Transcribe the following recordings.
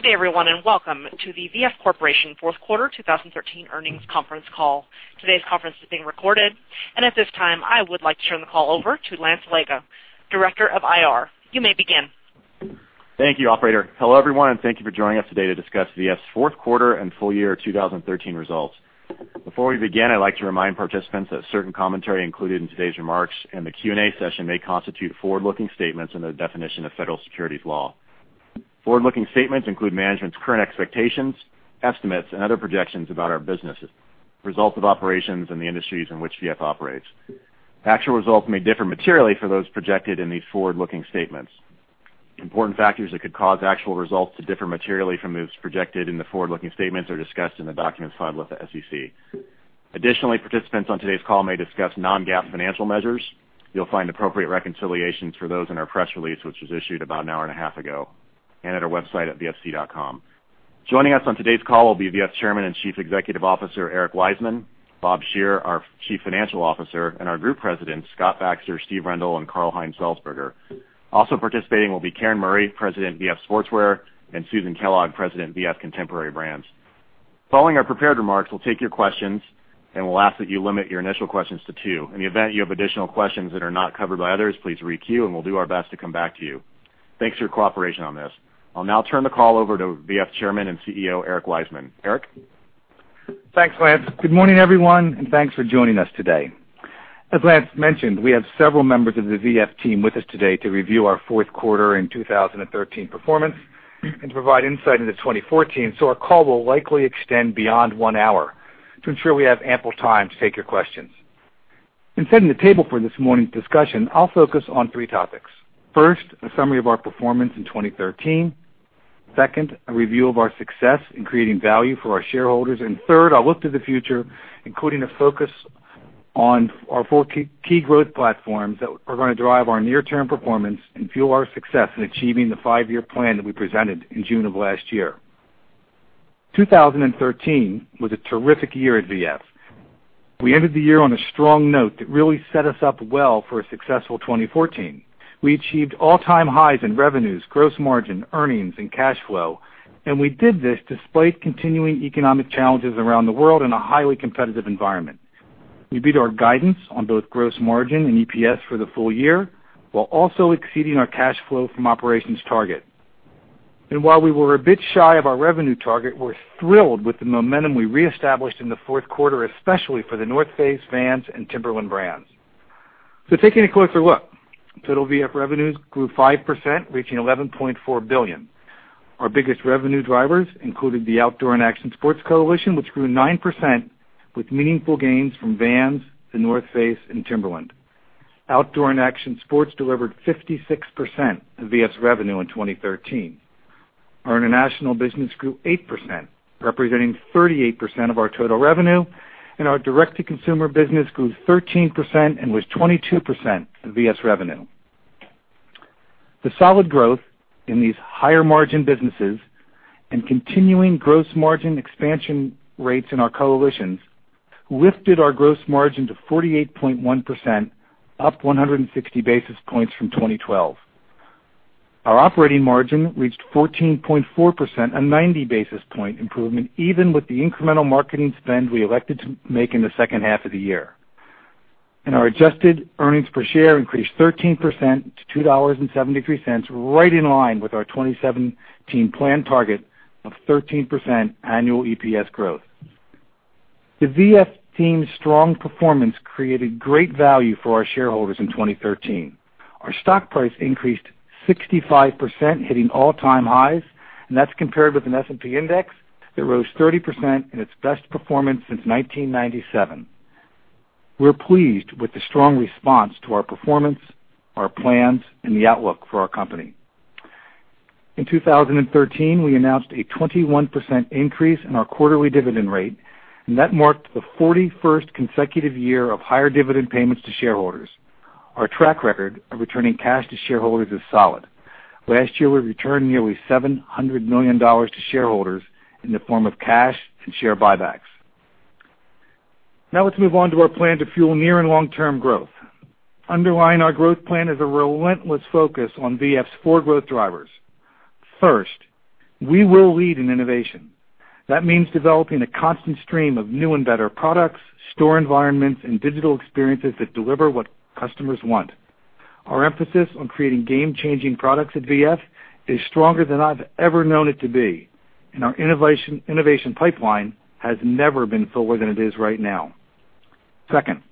Good day, everyone. Welcome to the V.F. Corporation fourth quarter 2013 earnings conference call. Today's conference is being recorded, and at this time, I would like to turn the call over to Lance Allega, Director of IR. You may begin. Thank you, operator. Hello, everyone, thank you for joining us today to discuss V.F.'s fourth quarter and full year 2013 results. Before we begin, I'd like to remind participants that certain commentary included in today's remarks and the Q&A session may constitute forward-looking statements under the definition of federal securities law. Forward-looking statements include management's current expectations, estimates, and other projections about our business, results of operations in the industries in which V.F. operates. Actual results may differ materially for those projected in these forward-looking statements. Important factors that could cause actual results to differ materially from those projected in the forward-looking statements are discussed in the documents filed with the SEC. Participants on today's call may discuss non-GAAP financial measures. You'll find appropriate reconciliations for those in our press release, which was issued about an hour and a half ago, and at our website at vfc.com. Joining us on today's call will be V.F.'s Chairman and Chief Executive Officer, Eric Wiseman; Bob Shearer, our Chief Financial Officer; and our Group Presidents, Scott Baxter, Steve Rendle, and Karl Heinz Salzburger. Also participating will be Karen Murray, President, V.F. Sportswear, and Susan Kellogg, President, V.F. Contemporary Brands. Following our prepared remarks, we'll take your questions. We'll ask that you limit your initial questions to two. In the event you have additional questions that are not covered by others, please re-queue, and we'll do our best to come back to you. Thanks for your cooperation on this. I'll now turn the call over to V.F. Chairman and CEO, Eric Wiseman. Eric? Thanks, Lance. Good morning, everyone, thanks for joining us today. As Lance mentioned, we have several members of the V.F. team with us today to review our fourth quarter and 2013 performance and to provide insight into 2014. Our call will likely extend beyond one hour to ensure we have ample time to take your questions. In setting the table for this morning's discussion, I'll focus on three topics. First, a summary of our performance in 2013. Second, a review of our success in creating value for our shareholders. Third, a look to the future, including a focus on our four key growth platforms that are going to drive our near-term performance and fuel our success in achieving the five-year plan that we presented in June of last year. 2013 was a terrific year at V.F. We ended the year on a strong note that really set us up well for a successful 2014. We achieved all-time highs in revenues, gross margin, earnings, and cash flow, and we did this despite continuing economic challenges around the world in a highly competitive environment. We beat our guidance on both gross margin and EPS for the full year, while also exceeding our cash flow from operations target. While we were a bit shy of our revenue target, we're thrilled with the momentum we reestablished in the fourth quarter, especially for The North Face, Vans, and Timberland brands. Taking a closer look. Total V.F. revenues grew 5%, reaching $11.4 billion. Our biggest revenue drivers included the Outdoor & Action Sports coalition, which grew 9% with meaningful gains from Vans, The North Face, and Timberland. Outdoor & Action Sports delivered 56% of V.F.'s revenue in 2013. Our international business grew 8%, representing 38% of our total revenue, and our direct-to-consumer business grew 13% and was 22% of V.F.'s revenue. The solid growth in these higher-margin businesses and continuing gross margin expansion rates in our coalitions lifted our gross margin to 48.1%, up 160 basis points from 2012. Our operating margin reached 14.4%, a 90-basis point improvement, even with the incremental marketing spend we elected to make in the second half of the year. Our adjusted earnings per share increased 13% to $2.73, right in line with our 2017 plan target of 13% annual EPS growth. The V.F. team's strong performance created great value for our shareholders in 2013. Our stock price increased 65%, hitting all-time highs, and that's compared with an S&P index that rose 30% in its best performance since 1997. We're pleased with the strong response to our performance, our plans, and the outlook for our company. In 2013, we announced a 21% increase in our quarterly dividend rate, and that marked the 41st consecutive year of higher dividend payments to shareholders. Our track record of returning cash to shareholders is solid. Last year, we returned nearly $700 million to shareholders in the form of cash and share buybacks. Let's move on to our plan to fuel near- and long-term growth. Underlying our growth plan is a relentless focus on V.F.'s four growth drivers. First, we will lead in innovation. That means developing a constant stream of new and better products, store environments, and digital experiences that deliver what customers want. Our emphasis on creating game-changing products at V.F. is stronger than I've ever known it to be, and our innovation pipeline has never been fuller than it is right now. Second,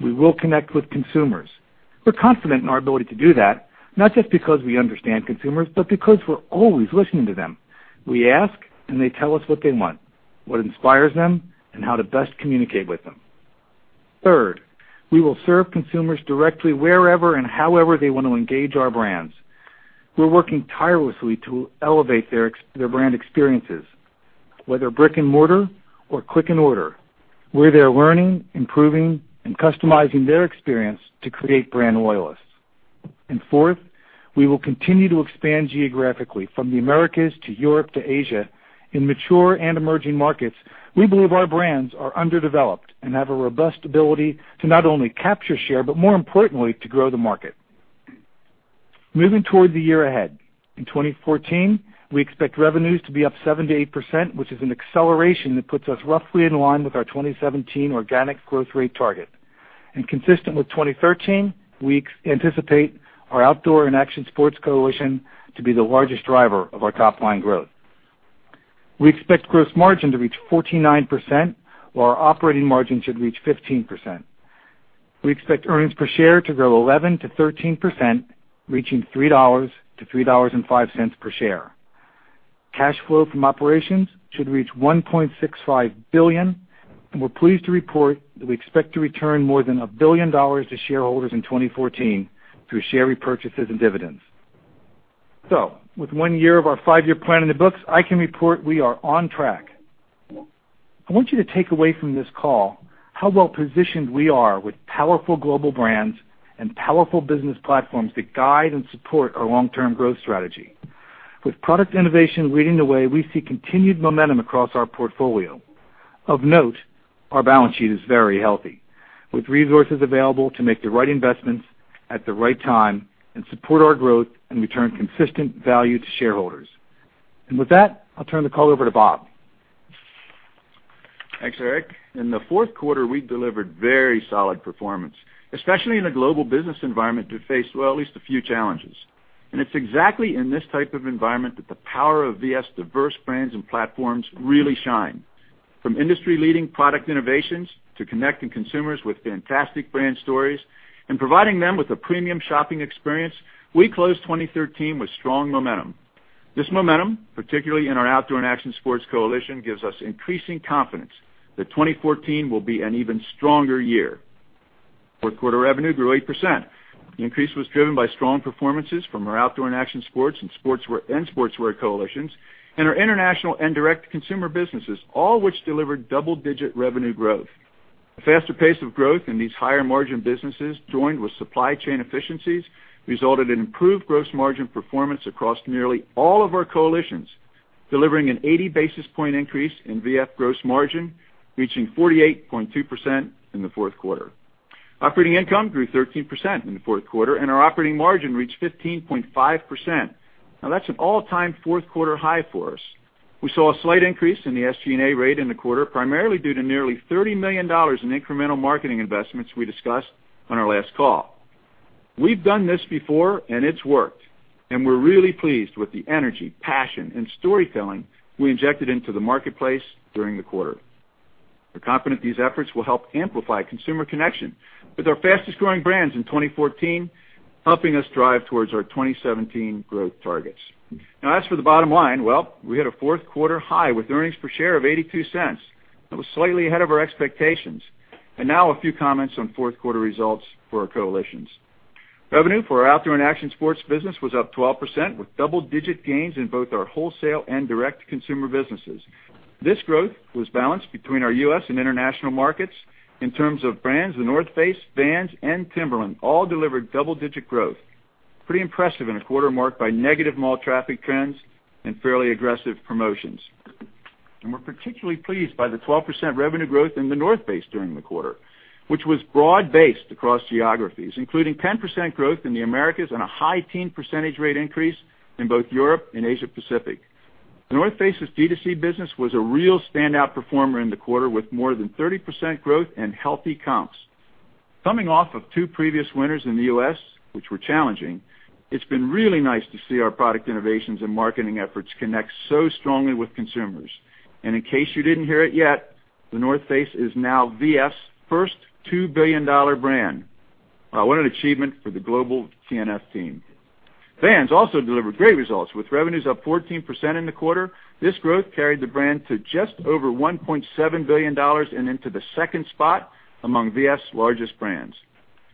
we will connect with consumers. We're confident in our ability to do that, not just because we understand consumers, but because we're always listening to them. We ask, and they tell us what they want, what inspires them, and how to best communicate with them. Third, we will serve consumers directly wherever and however they want to engage our brands. We're working tirelessly to elevate their brand experiences, whether brick-and-mortar or click-and-order, where they're learning, improving, and customizing their experience to create brand loyalists. Fourth, we will continue to expand geographically from the Americas to Europe to Asia. In mature and emerging markets, we believe our brands are underdeveloped and have a robust ability to not only capture share, but more importantly, to grow the market. Moving towards the year ahead. In 2014, we expect revenues to be up 7%-8%, which is an acceleration that puts us roughly in line with our 2017 organic growth rate target. Consistent with 2013, we anticipate our Outdoor & Action Sports coalition to be the largest driver of our top-line growth. We expect gross margin to reach 49%, while our operating margin should reach 15%. We expect EPS to grow 11%-13%, reaching $3-$3.05 per share. Cash flow from operations should reach $1.65 billion, and we're pleased to report that we expect to return more than $1 billion to shareholders in 2014 through share repurchases and dividends. With one year of our five-year plan in the books, I can report we are on track. I want you to take away from this call how well-positioned we are with powerful global brands and powerful business platforms that guide and support our long-term growth strategy. With product innovation leading the way, we see continued momentum across our portfolio. Of note, our balance sheet is very healthy, with resources available to make the right investments at the right time and support our growth and return consistent value to shareholders. With that, I'll turn the call over to Bob. Thanks, Eric. In the fourth quarter, we delivered very solid performance, especially in a global business environment that faced, well, at least a few challenges. It's exactly in this type of environment that the power of VF's diverse brands and platforms really shine. From industry-leading product innovations to connecting consumers with fantastic brand stories and providing them with a premium shopping experience, we closed 2013 with strong momentum. This momentum, particularly in our Outdoor & Action Sports coalition, gives us increasing confidence that 2014 will be an even stronger year. Fourth quarter revenue grew 8%. The increase was driven by strong performances from our Outdoor & Action Sports and Sportswear coalitions and our international and direct-to-consumer businesses, all which delivered double-digit revenue growth. A faster pace of growth in these higher-margin businesses, joined with supply chain efficiencies, resulted in improved gross margin performance across nearly all of our coalitions, delivering an 80-basis point increase in VF gross margin, reaching 48.2% in the fourth quarter. Operating income grew 13% in the fourth quarter, and our operating margin reached 15.5%. Now, that's an all-time fourth-quarter high for us. We saw a slight increase in the SG&A rate in the quarter, primarily due to nearly $30 million in incremental marketing investments we discussed on our last call. We've done this before, and it's worked, and we're really pleased with the energy, passion, and storytelling we injected into the marketplace during the quarter. We're confident these efforts will help amplify consumer connection with our fastest-growing brands in 2014, helping us drive towards our 2017 growth targets. Now, as for the bottom line, well, we hit a fourth-quarter high with earnings per share of $0.82. That was slightly ahead of our expectations. A few comments on fourth-quarter results for our coalitions. Revenue for our Outdoor & Action Sports business was up 12% with double-digit gains in both our wholesale and direct-to-consumer businesses. This growth was balanced between our U.S. and international markets. In terms of brands, The North Face, Vans, and Timberland all delivered double-digit growth. Pretty impressive in a quarter marked by negative mall traffic trends and fairly aggressive promotions. We're particularly pleased by the 12% revenue growth in The North Face during the quarter, which was broad-based across geographies, including 10% growth in the Americas and a high teen percentage rate increase in both Europe and Asia Pacific. The North Face's D2C business was a real standout performer in the quarter, with more than 30% growth and healthy comps. Coming off of two previous winters in the U.S., which were challenging, it's been really nice to see our product innovations and marketing efforts connect so strongly with consumers. In case you didn't hear it yet, The North Face is now VF's first $2 billion brand. What an achievement for the global TNF team. Vans also delivered great results with revenues up 14% in the quarter. This growth carried the brand to just over $1.7 billion and into the second spot among VF's largest brands.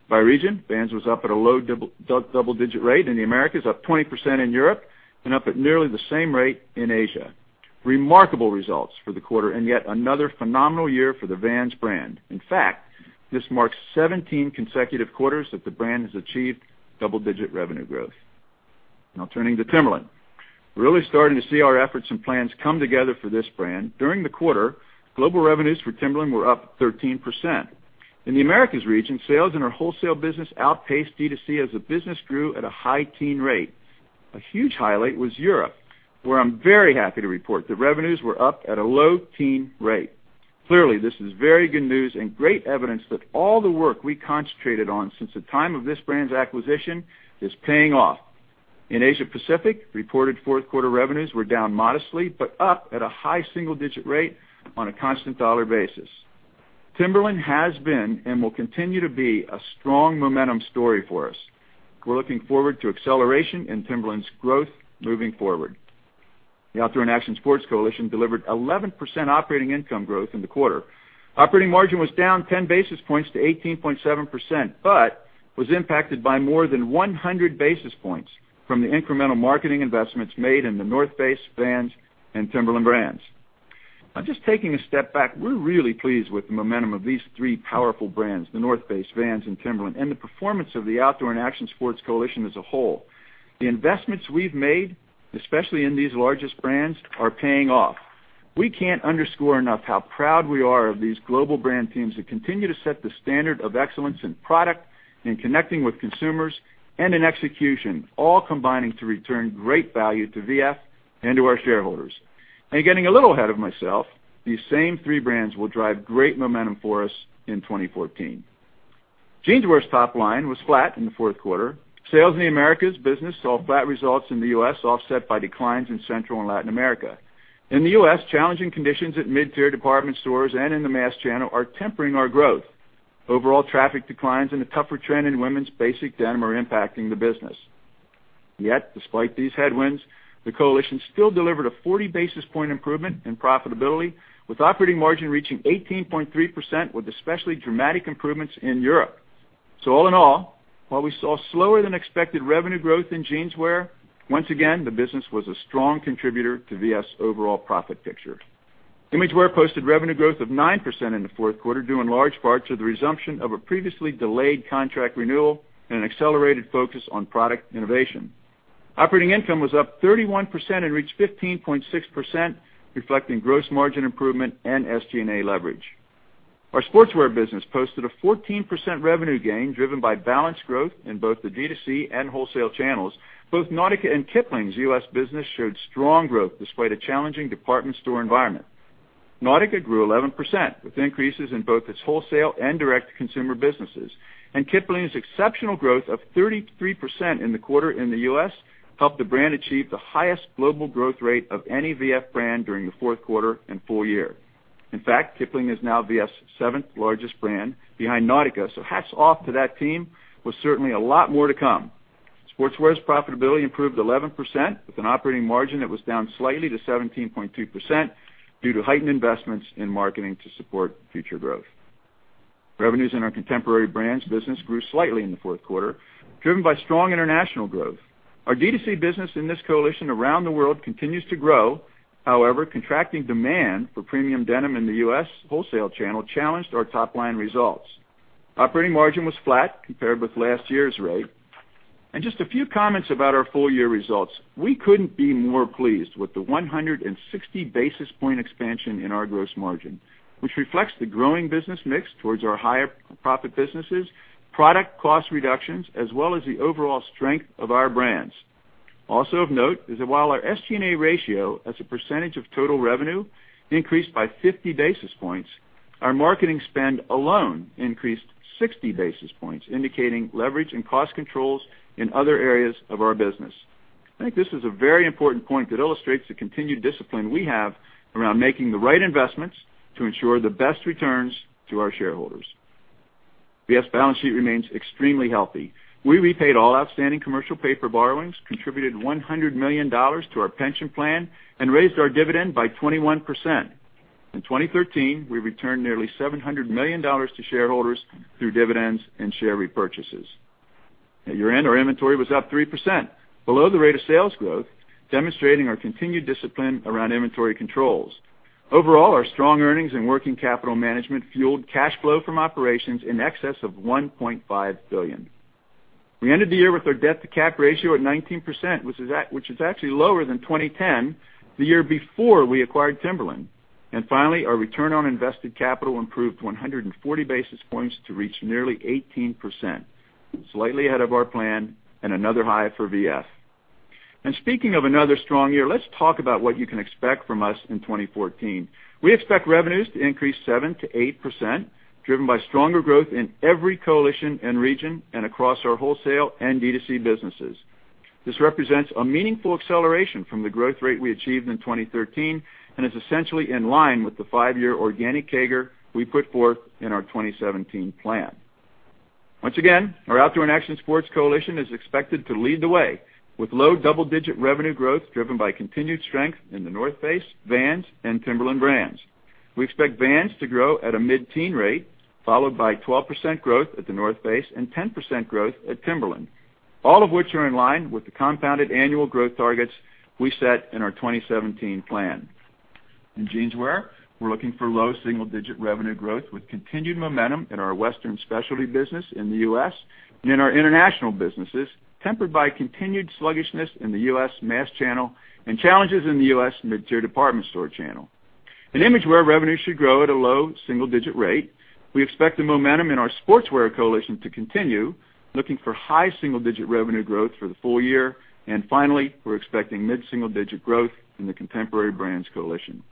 By region, Vans was up at a low double-digit rate in the Americas, up 20% in Europe, and up at nearly the same rate in Asia. Remarkable results for the quarter, and yet another phenomenal year for the Vans brand. In fact, this marks 17 consecutive quarters that the brand has achieved double-digit revenue growth. Now turning to Timberland. We're really starting to see our efforts and plans come together for this brand. During the quarter, global revenues for Timberland were up 13%. In the Americas region, sales in our wholesale business outpaced D2C as the business grew at a high teen rate. A huge highlight was Europe, where I'm very happy to report that revenues were up at a low teen rate. Clearly, this is very good news and great evidence that all the work we concentrated on since the time of this brand's acquisition is paying off. In Asia Pacific, reported fourth-quarter revenues were down modestly, but up at a high single-digit rate on a constant dollar basis. Timberland has been and will continue to be a strong momentum story for us. We're looking forward to acceleration in Timberland's growth moving forward. The Outdoor & Action Sports Coalition delivered 11% operating income growth in the quarter. Operating margin was down 10 basis points to 18.7%, but was impacted by more than 100 basis points from the incremental marketing investments made in The North Face, Vans, and Timberland brands. Now just taking a step back, we're really pleased with the momentum of these three powerful brands, The North Face, Vans, and Timberland, and the performance of the Outdoor & Action Sports Coalition as a whole. The investments we've made, especially in these largest brands, are paying off. We can't underscore enough how proud we are of these global brand teams that continue to set the standard of excellence in product, in connecting with consumers, and in execution, all combining to return great value to VF and to our shareholders. Getting a little ahead of myself, these same three brands will drive great momentum for us in 2014. Jeanswear's top line was flat in the fourth quarter. Sales in the Americas business saw flat results in the U.S., offset by declines in Central and Latin America. In the U.S., challenging conditions at mid-tier department stores and in the mass channel are tempering our growth. Overall traffic declines and a tougher trend in women's basic denim are impacting the business. Yet, despite these headwinds, the coalition still delivered a 40-basis-point improvement in profitability, with operating margin reaching 18.3%, with especially dramatic improvements in Europe. All in all, while we saw slower-than-expected revenue growth in Jeanswear, once again, the business was a strong contributor to VF's overall profit picture. Imagewear posted revenue growth of 9% in the fourth quarter, due in large part to the resumption of a previously delayed contract renewal and an accelerated focus on product innovation. Operating income was up 31% and reached 15.6%, reflecting gross margin improvement and SG&A leverage. Our Sportswear business posted a 14% revenue gain, driven by balanced growth in both the D2C and wholesale channels. Both Nautica and Kipling's U.S. business showed strong growth despite a challenging department store environment. Nautica grew 11%, with increases in both its wholesale and direct-to-consumer businesses. Kipling's exceptional growth of 33% in the quarter in the U.S. helped the brand achieve the highest global growth rate of any VF brand during the fourth quarter and full year. In fact, Kipling is now VF's seventh-largest brand behind Nautica, so hats off to that team. With certainly a lot more to come. Sportswear's profitability improved 11%, with an operating margin that was down slightly to 17.2% due to heightened investments in marketing to support future growth. Revenues in our Contemporary Brands business grew slightly in the fourth quarter, driven by strong international growth. Our D2C business in this coalition around the world continues to grow. However, contracting demand for premium denim in the U.S. wholesale channel challenged our top-line results. Operating margin was flat compared with last year's rate. Just a few comments about our full-year results. We couldn't be more pleased with the 160-basis-point expansion in our gross margin, which reflects the growing business mix towards our higher-profit businesses, product cost reductions, as well as the overall strength of our brands. Also of note is that while our SG&A ratio as a percentage of total revenue increased by 50 basis points, our marketing spend alone increased 60 basis points, indicating leverage and cost controls in other areas of our business. I think this is a very important point that illustrates the continued discipline we have around making the right investments to ensure the best returns to our shareholders. VF's balance sheet remains extremely healthy. We repaid all outstanding commercial paper borrowings, contributed $100 million to our pension plan, and raised our dividend by 21%. In 2013, we returned nearly $700 million to shareholders through dividends and share repurchases. At year-end, our inventory was up 3%, below the rate of sales growth, demonstrating our continued discipline around inventory controls. Overall, our strong earnings and working capital management fueled cash flow from operations in excess of $1.5 billion. We ended the year with our debt-to-cap ratio at 19%, which is actually lower than 2010, the year before we acquired Timberland. Finally, our return on invested capital improved 140 basis points to reach nearly 18%, slightly ahead of our plan and another high for VF. Speaking of another strong year, let's talk about what you can expect from us in 2014. We expect revenues to increase 7%-8%, driven by stronger growth in every coalition and region and across our wholesale and D2C businesses. This represents a meaningful acceleration from the growth rate we achieved in 2013 and is essentially in line with the five-year organic CAGR we put forth in our 2017 plan. Once again, our Outdoor & Action Sports coalition is expected to lead the way, with low double-digit revenue growth driven by continued strength in The North Face, Vans, and Timberland brands. We expect Vans to grow at a mid-teen rate, followed by 12% growth at The North Face and 10% growth at Timberland. All of which are in line with the compounded annual growth targets we set in our 2017 plan. In Jeanswear, we're looking for low single-digit revenue growth with continued momentum in our Western specialty business in the U.S. and in our international businesses, tempered by continued sluggishness in the U.S. mass channel and challenges in the U.S. mid-tier department store channel. In Imagewear, revenue should grow at a low single-digit rate. We expect the momentum in our Sportswear coalition to continue, looking for high single-digit revenue growth for the full year. Finally, we're expecting mid-single-digit growth in the Contemporary Brands coalition.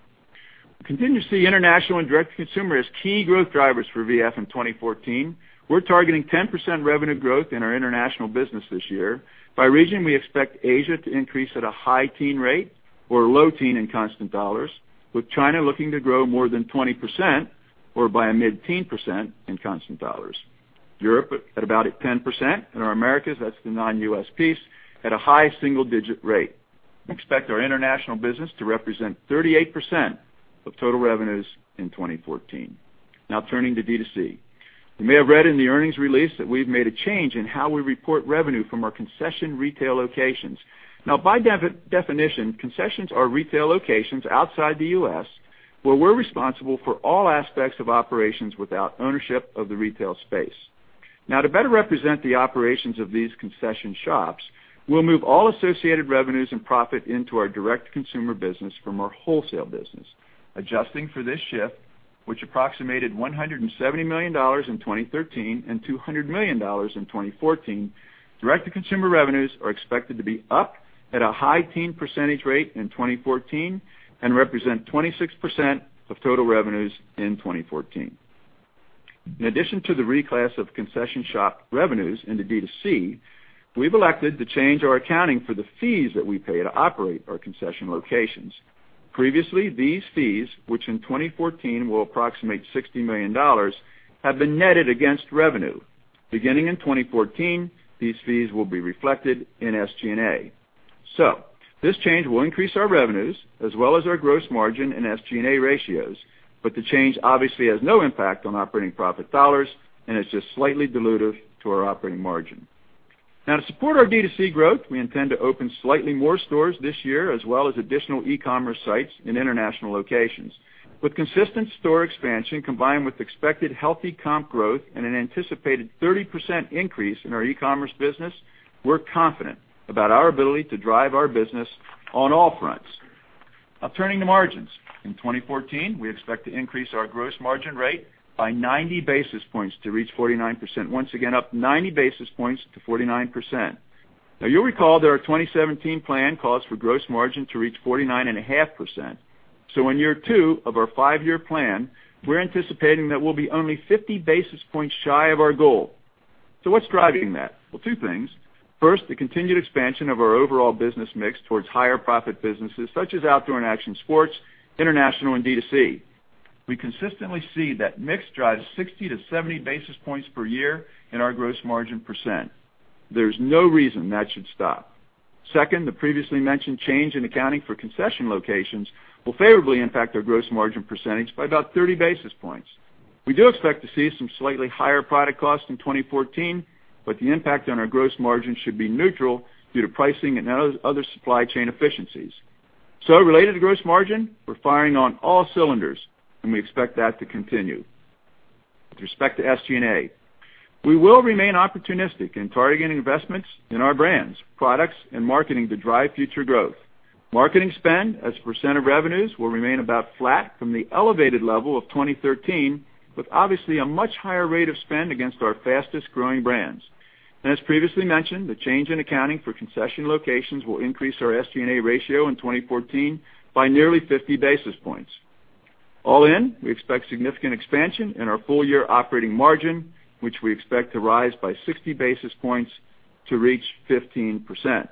We continue to see international and direct-to-consumer as key growth drivers for VF in 2014. We're targeting 10% revenue growth in our international business this year. By region, we expect Asia to increase at a high teen rate or a low teen in constant dollars, with China looking to grow more than 20% or by a mid-teen percent in constant dollars. Europe at about 10%, and our Americas, that's the non-U.S. piece, at a high single-digit rate. We expect our international business to represent 38% of total revenues in 2014. Turning to D2C. You may have read in the earnings release that we've made a change in how we report revenue from our concession retail locations. By definition, concessions are retail locations outside the U.S. where we're responsible for all aspects of operations without ownership of the retail space. To better represent the operations of these concession shops, we'll move all associated revenues and profit into our direct-to-consumer business from our wholesale business. Adjusting for this shift, which approximated $170 million in 2013 and $200 million in 2014, direct-to-consumer revenues are expected to be up at a high teen percentage rate in 2014 and represent 26% of total revenues in 2014. In addition to the reclass of concession shop revenues into direct-to-consumer, we've elected to change our accounting for the fees that we pay to operate our concession locations. Previously, these fees, which in 2014 will approximate $60 million, have been netted against revenue. Beginning in 2014, these fees will be reflected in SG&A. This change will increase our revenues as well as our gross margin and SG&A ratios. The change obviously has no impact on operating profit dollars and is just slightly dilutive to our operating margin. To support our direct-to-consumer growth, we intend to open slightly more stores this year, as well as additional e-commerce sites in international locations. With consistent store expansion, combined with expected healthy comp growth and an anticipated 30% increase in our e-commerce business, we're confident about our ability to drive our business on all fronts. Turning to margins. In 2014, we expect to increase our gross margin rate by 90 basis points to reach 49%. Once again, up 90 basis points to 49%. You'll recall that our 2017 plan calls for gross margin to reach 49.5%. In year two of our five-year plan, we're anticipating that we'll be only 50 basis points shy of our goal. What's driving that? Well, two things. First, the continued expansion of our overall business mix towards higher profit businesses such as Outdoor & Action Sports, international, and direct-to-consumer. We consistently see that mix drive 60-70 basis points per year in our gross margin %. There's no reason that should stop. Second, the previously mentioned change in accounting for concession locations will favorably impact our gross margin percentage by about 30 basis points. We do expect to see some slightly higher product costs in 2014, but the impact on our gross margin should be neutral due to pricing and other supply chain efficiencies. Related to gross margin, we're firing on all cylinders, and we expect that to continue. With respect to SG&A, we will remain opportunistic in targeting investments in our brands, products, and marketing to drive future growth. Marketing spend as a % of revenues will remain about flat from the elevated level of 2013, with obviously a much higher rate of spend against our fastest-growing brands. As previously mentioned, the change in accounting for concession locations will increase our SG&A ratio in 2014 by nearly 50 basis points. All in, we expect significant expansion in our full-year operating margin, which we expect to rise by 60 basis points to reach 15%.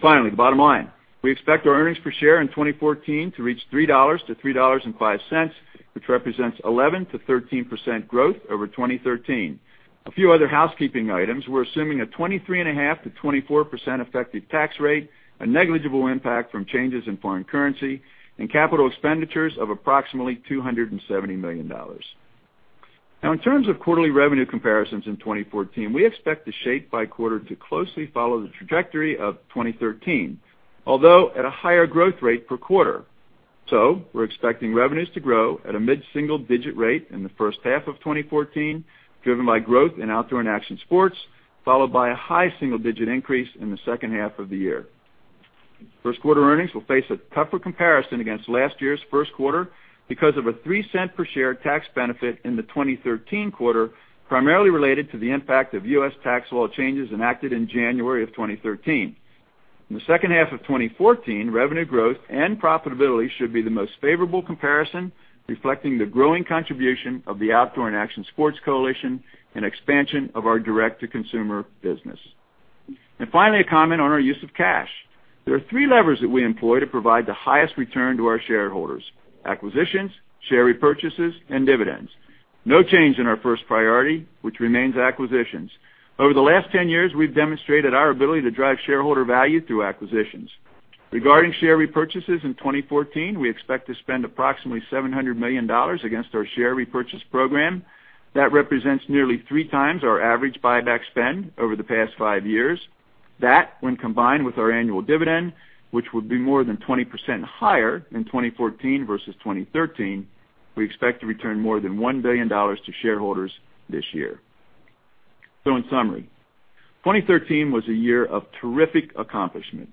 Finally, bottom line. We expect our earnings per share in 2014 to reach $3-$3.05, which represents 11%-13% growth over 2013. A few other housekeeping items. We're assuming a 23.5%-24% effective tax rate, a negligible impact from changes in foreign currency, and capital expenditures of approximately $270 million. In terms of quarterly revenue comparisons in 2014, we expect the shape by quarter to closely follow the trajectory of 2013. Although at a higher growth rate per quarter. We're expecting revenues to grow at a mid-single-digit rate in the first half of 2014, driven by growth in Outdoor & Action Sports, followed by a high single-digit increase in the second half of the year. First quarter earnings will face a tougher comparison against last year's first quarter because of a $0.03 per share tax benefit in the 2013 quarter, primarily related to the impact of U.S. tax law changes enacted in January of 2013. In the second half of 2014, revenue growth and profitability should be the most favorable comparison, reflecting the growing contribution of the Outdoor & Action Sports coalition and expansion of our direct-to-consumer business. Finally, a comment on our use of cash. There are three levers that we employ to provide the highest return to our shareholders, acquisitions, share repurchases, and dividends. No change in our first priority, which remains acquisitions. Over the last 10 years, we've demonstrated our ability to drive shareholder value through acquisitions. Regarding share repurchases in 2014, we expect to spend approximately $700 million against our share repurchase program. That represents nearly three times our average buyback spend over the past five years. That, when combined with our annual dividend, which will be more than 20% higher in 2014 versus 2013, we expect to return more than $1 billion to shareholders this year. In summary, 2013 was a year of terrific accomplishment.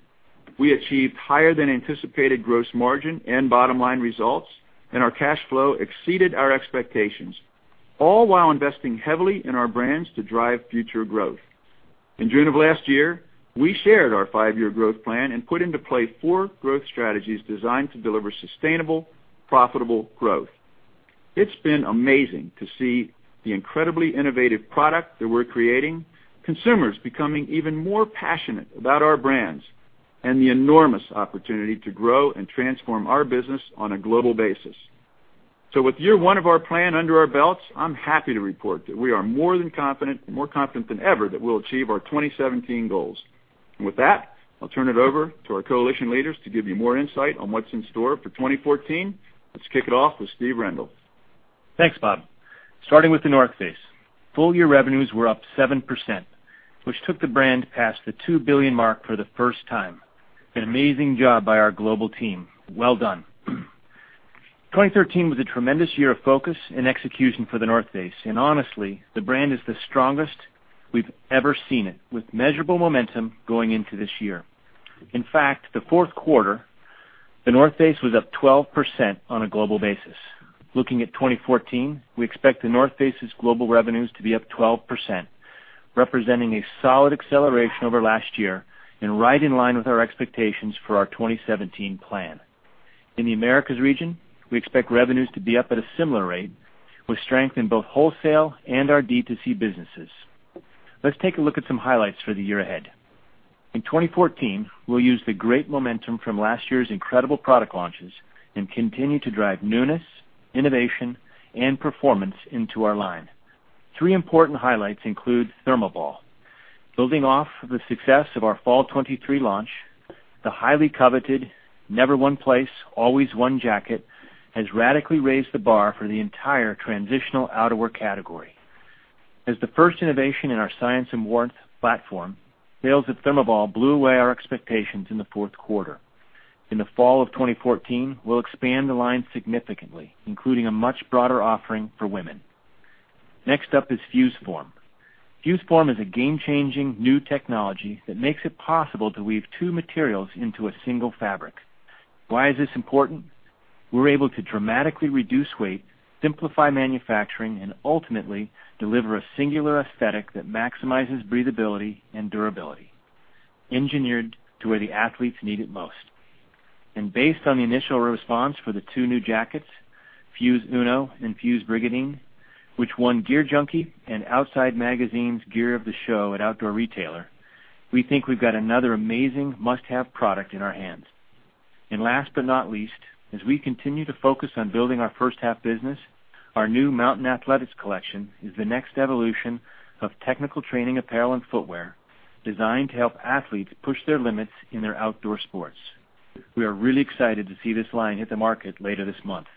We achieved higher than anticipated gross margin and bottom-line results, and our cash flow exceeded our expectations, all while investing heavily in our brands to drive future growth. In June of last year, we shared our five-year growth plan and put into play four growth strategies designed to deliver sustainable, profitable growth. It's been amazing to see the incredibly innovative product that we're creating, consumers becoming even more passionate about our brands, and the enormous opportunity to grow and transform our business on a global basis. With year one of our plan under our belts, I'm happy to report that we are more than confident, more confident than ever, that we'll achieve our 2017 goals. With that, I'll turn it over to our coalition leaders to give you more insight on what's in store for 2014. Let's kick it off with Steve Rendle. Thanks, Bob. Starting with The North Face. Full-year revenues were up 7%, which took the brand past the $2 billion mark for the first time. An amazing job by our global team. Well done. 2013 was a tremendous year of focus and execution for The North Face. Honestly, the brand is the strongest we've ever seen it, with measurable momentum going into this year. In fact, the fourth quarter, The North Face was up 12% on a global basis. Looking at 2014, we expect The North Face's global revenues to be up 12%, representing a solid acceleration over last year and right in line with our expectations for our 2017 plan. In the Americas region, we expect revenues to be up at a similar rate, with strength in both wholesale and our D2C businesses. Let's take a look at some highlights for the year ahead. In 2014, we'll use the great momentum from last year's incredible product launches and continue to drive newness, innovation, and performance into our line. Three important highlights include ThermoBall. Building off of the success of our Fall 2013 launch, the highly coveted never one place, always one jacket has radically raised the bar for the entire transitional outerwear category. As the first innovation in our science and warmth platform, sales of ThermoBall blew away our expectations in the fourth quarter. In the fall of 2014, we'll expand the line significantly, including a much broader offering for women. Next up is FuseForm. FuseForm is a game-changing, new technology that makes it possible to weave two materials into a single fabric. Why is this important? We're able to dramatically reduce weight, simplify manufacturing, and ultimately deliver a singular aesthetic that maximizes breathability and durability, engineered to where the athletes need it most. Based on the initial response for the two new jackets, Fuse Uno and Fuse Brigandine, which won GearJunkie and Outside Magazine's Gear of the Show at Outdoor Retailer, we think we've got another amazing must-have product in our hands. Last but not least, as we continue to focus on building our first half business, our new Mountain Athletics collection is the next evolution of technical training apparel and footwear designed to help athletes push their limits in their outdoor sports. We are really excited to see this line hit the market later this month.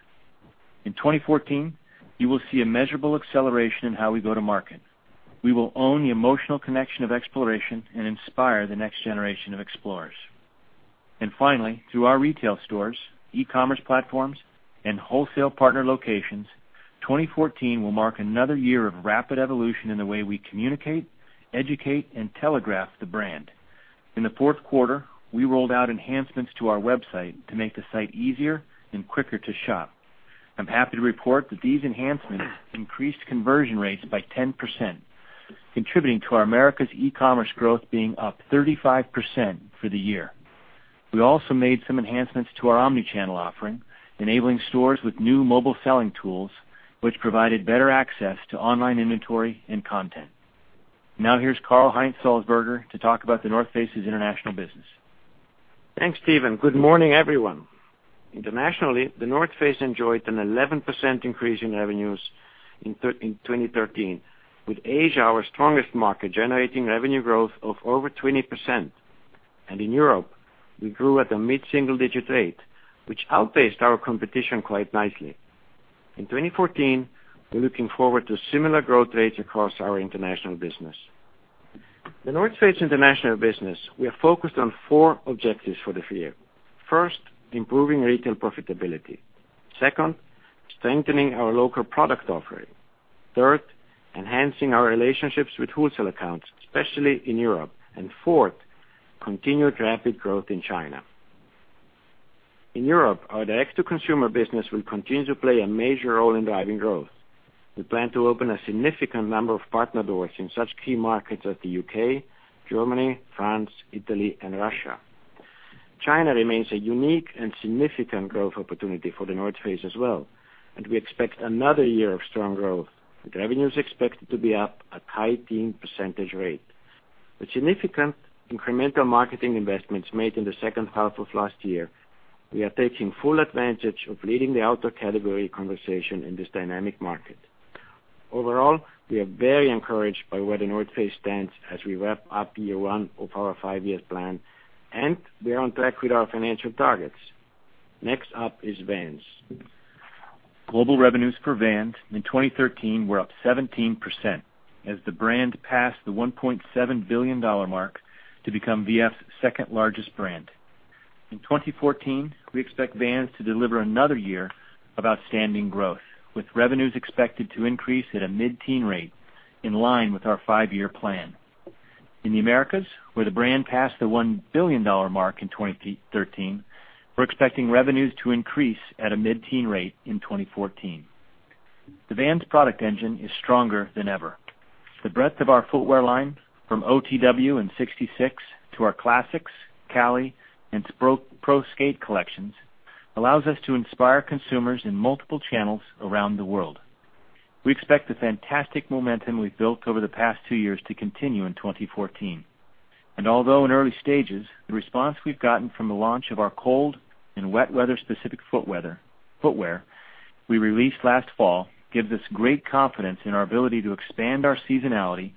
In 2014, you will see a measurable acceleration in how we go to market. We will own the emotional connection of exploration and inspire the next generation of explorers. Finally, through our retail stores, e-commerce platforms, and wholesale partner locations, 2014 will mark another year of rapid evolution in the way we communicate, educate, and telegraph the brand. In the fourth quarter, we rolled out enhancements to our website to make the site easier and quicker to shop. I'm happy to report that these enhancements increased conversion rates by 10%, contributing to our America's e-commerce growth being up 35% for the year. We also made some enhancements to our omni-channel offering, enabling stores with new mobile selling tools, which provided better access to online inventory and content. Now here's Karl-Heinz Salzburger to talk about The North Face's international business. Thanks, Steve. Good morning, everyone. Internationally, The North Face enjoyed an 11% increase in revenues in 2013, with Asia our strongest market, generating revenue growth of over 20%. In Europe, we grew at a mid-single-digit rate, which outpaced our competition quite nicely. In 2014, we're looking forward to similar growth rates across our international business. The North Face international business, we are focused on four objectives for this year. First, improving retail profitability. Second, strengthening our local product offering. Third, enhancing our relationships with wholesale accounts, especially in Europe. Fourth, continued rapid growth in China. In Europe, our direct-to-consumer business will continue to play a major role in driving growth. We plan to open a significant number of partner doors in such key markets as the U.K., Germany, France, Italy, and Russia. China remains a unique and significant growth opportunity for The North Face as well. We expect another year of strong growth, with revenues expected to be up a high teen percentage rate. With significant incremental marketing investments made in the second half of last year, we are taking full advantage of leading the outdoor category conversation in this dynamic market. Overall, we are very encouraged by where The North Face stands as we wrap up year one of our five-year plan. We are on track with our financial targets. Next up is Vans. Global revenues for Vans in 2013 were up 17%, as the brand passed the $1.7 billion mark to become VF's second-largest brand. In 2014, we expect Vans to deliver another year of outstanding growth, with revenues expected to increase at a mid-teen rate, in line with our five-year plan. In the Americas, where the brand passed the $1 billion mark in 2013, we're expecting revenues to increase at a mid-teen rate in 2014. The Vans product engine is stronger than ever. The breadth of our footwear line, from OTW and 66 to our Classics, Cali, and Pro Skate collections, allows us to inspire consumers in multiple channels around the world. We expect the fantastic momentum we've built over the past two years to continue in 2014. Although in early stages, the response we've gotten from the launch of our cold and wet weather-specific footwear we released last fall gives us great confidence in our ability to expand our seasonality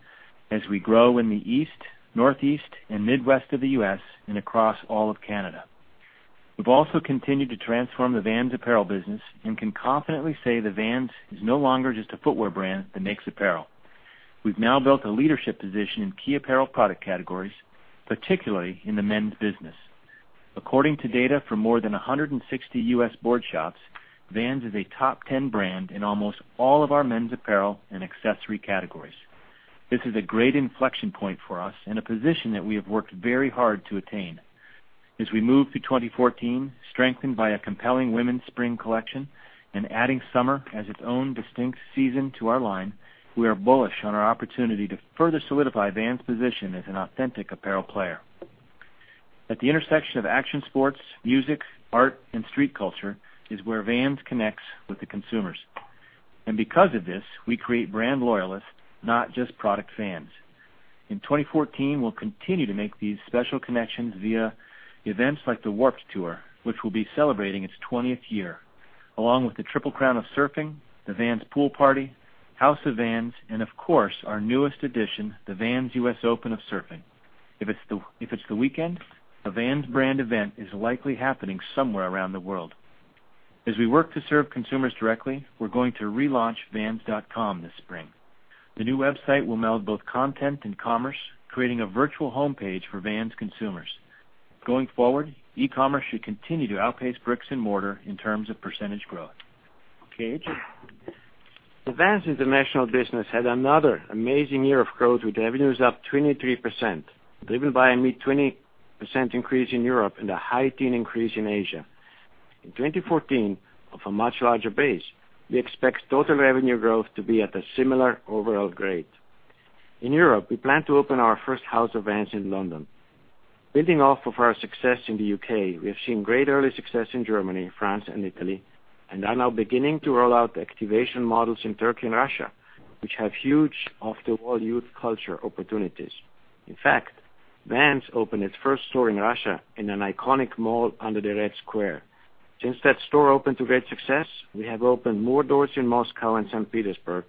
as we grow in the East, Northeast, and Midwest of the U.S., and across all of Canada. We've also continued to transform the Vans apparel business and can confidently say that Vans is no longer just a footwear brand that makes apparel. We've now built a leadership position in key apparel product categories, particularly in the men's business. According to data from more than 160 U.S. board shops, Vans is a top 10 brand in almost all of our men's apparel and accessory categories. This is a great inflection point for us and a position that we have worked very hard to attain. As we move to 2014, strengthened by a compelling women's spring collection and adding summer as its own distinct season to our line, we are bullish on our opportunity to further solidify Vans' position as an authentic apparel player. At the intersection of action sports, music, art, and street culture is where Vans connects with the consumers. Because of this, we create brand loyalists, not just product fans. In 2014, we'll continue to make these special connections via events like the Warped Tour, which will be celebrating its 20th year, along with the Triple Crown of Surfing, the Vans Pool Party, House of Vans, and of course, our newest addition, the Vans U.S. Open of Surfing. If it's the weekend, a Vans brand event is likely happening somewhere around the world. As we work to serve consumers directly, we're going to relaunch vans.com this spring. The new website will meld both content and commerce, creating a virtual homepage for Vans consumers. Going forward, e-commerce should continue to outpace bricks and mortar in terms of percentage growth. Okay, KH? The Vans international business had another amazing year of growth, with revenues up 23%, driven by a mid-20% increase in Europe and a high teen increase in Asia. In 2014, off a much larger base, we expect total revenue growth to be at a similar overall grade. In Europe, we plan to open our first House of Vans in London. Building off of our success in the U.K., we have seen great early success in Germany, France, and Italy, and are now beginning to roll out activation models in Turkey and Russia, which have huge after all youth culture opportunities. In fact, Vans opened its first store in Russia in an iconic mall under the Red Square. Since that store opened to great success, we have opened more doors in Moscow and St. Petersburg,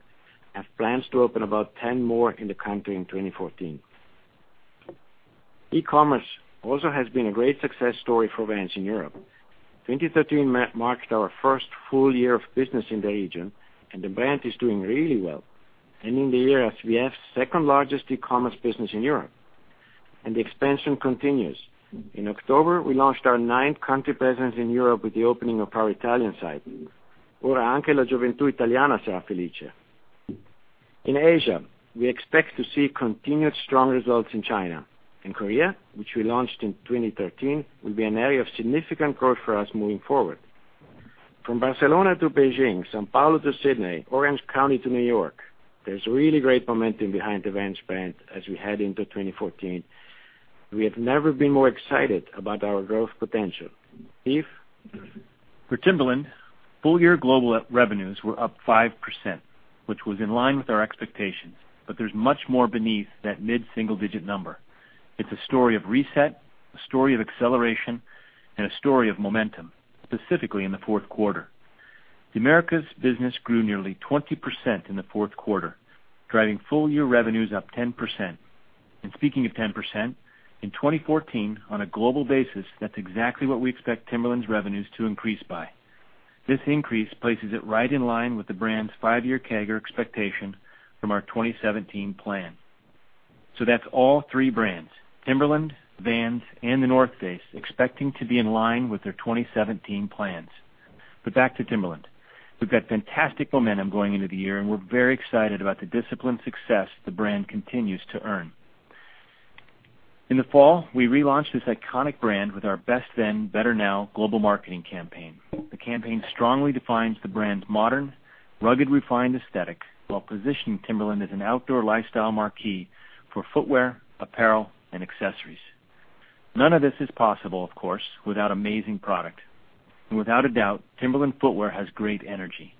have plans to open about 10 more in the country in 2014. E-commerce also has been a great success story for Vans in Europe. 2013 marked our first full year of business in the region, and the brand is doing really well, ending the year as VF's second-largest e-commerce business in Europe. The expansion continues. In October, we launched our ninth country presence in Europe with the opening of our Italian site. In Asia, we expect to see continued strong results in China. In Korea, which we launched in 2013, will be an area of significant growth for us moving forward. From Barcelona to Beijing, São Paulo to Sydney, Orange County to New York, there's really great momentum behind the Vans brand as we head into 2014. We have never been more excited about our growth potential. Steve? For Timberland, full-year global revenues were up 5%, which was in line with our expectations, but there's much more beneath that mid-single-digit number. It's a story of reset, a story of acceleration, and a story of momentum, specifically in the fourth quarter. The Americas business grew nearly 20% in the fourth quarter, driving full-year revenues up 10%. Speaking of 10%, in 2014, on a global basis, that's exactly what we expect Timberland's revenues to increase by. This increase places it right in line with the brand's five-year CAGR expectation from our 2017 plan. That's all three brands, Timberland, Vans, and The North Face, expecting to be in line with their 2017 plans. Back to Timberland. We've got fantastic momentum going into the year, and we're very excited about the disciplined success the brand continues to earn. In the fall, we relaunched this iconic brand with our Best Then. Better Now. global marketing campaign. The campaign strongly defines the brand's modern, rugged, refined aesthetic while positioning Timberland as an outdoor lifestyle marquee for footwear, apparel, and accessories. None of this is possible, of course, without amazing product. Without a doubt, Timberland footwear has great energy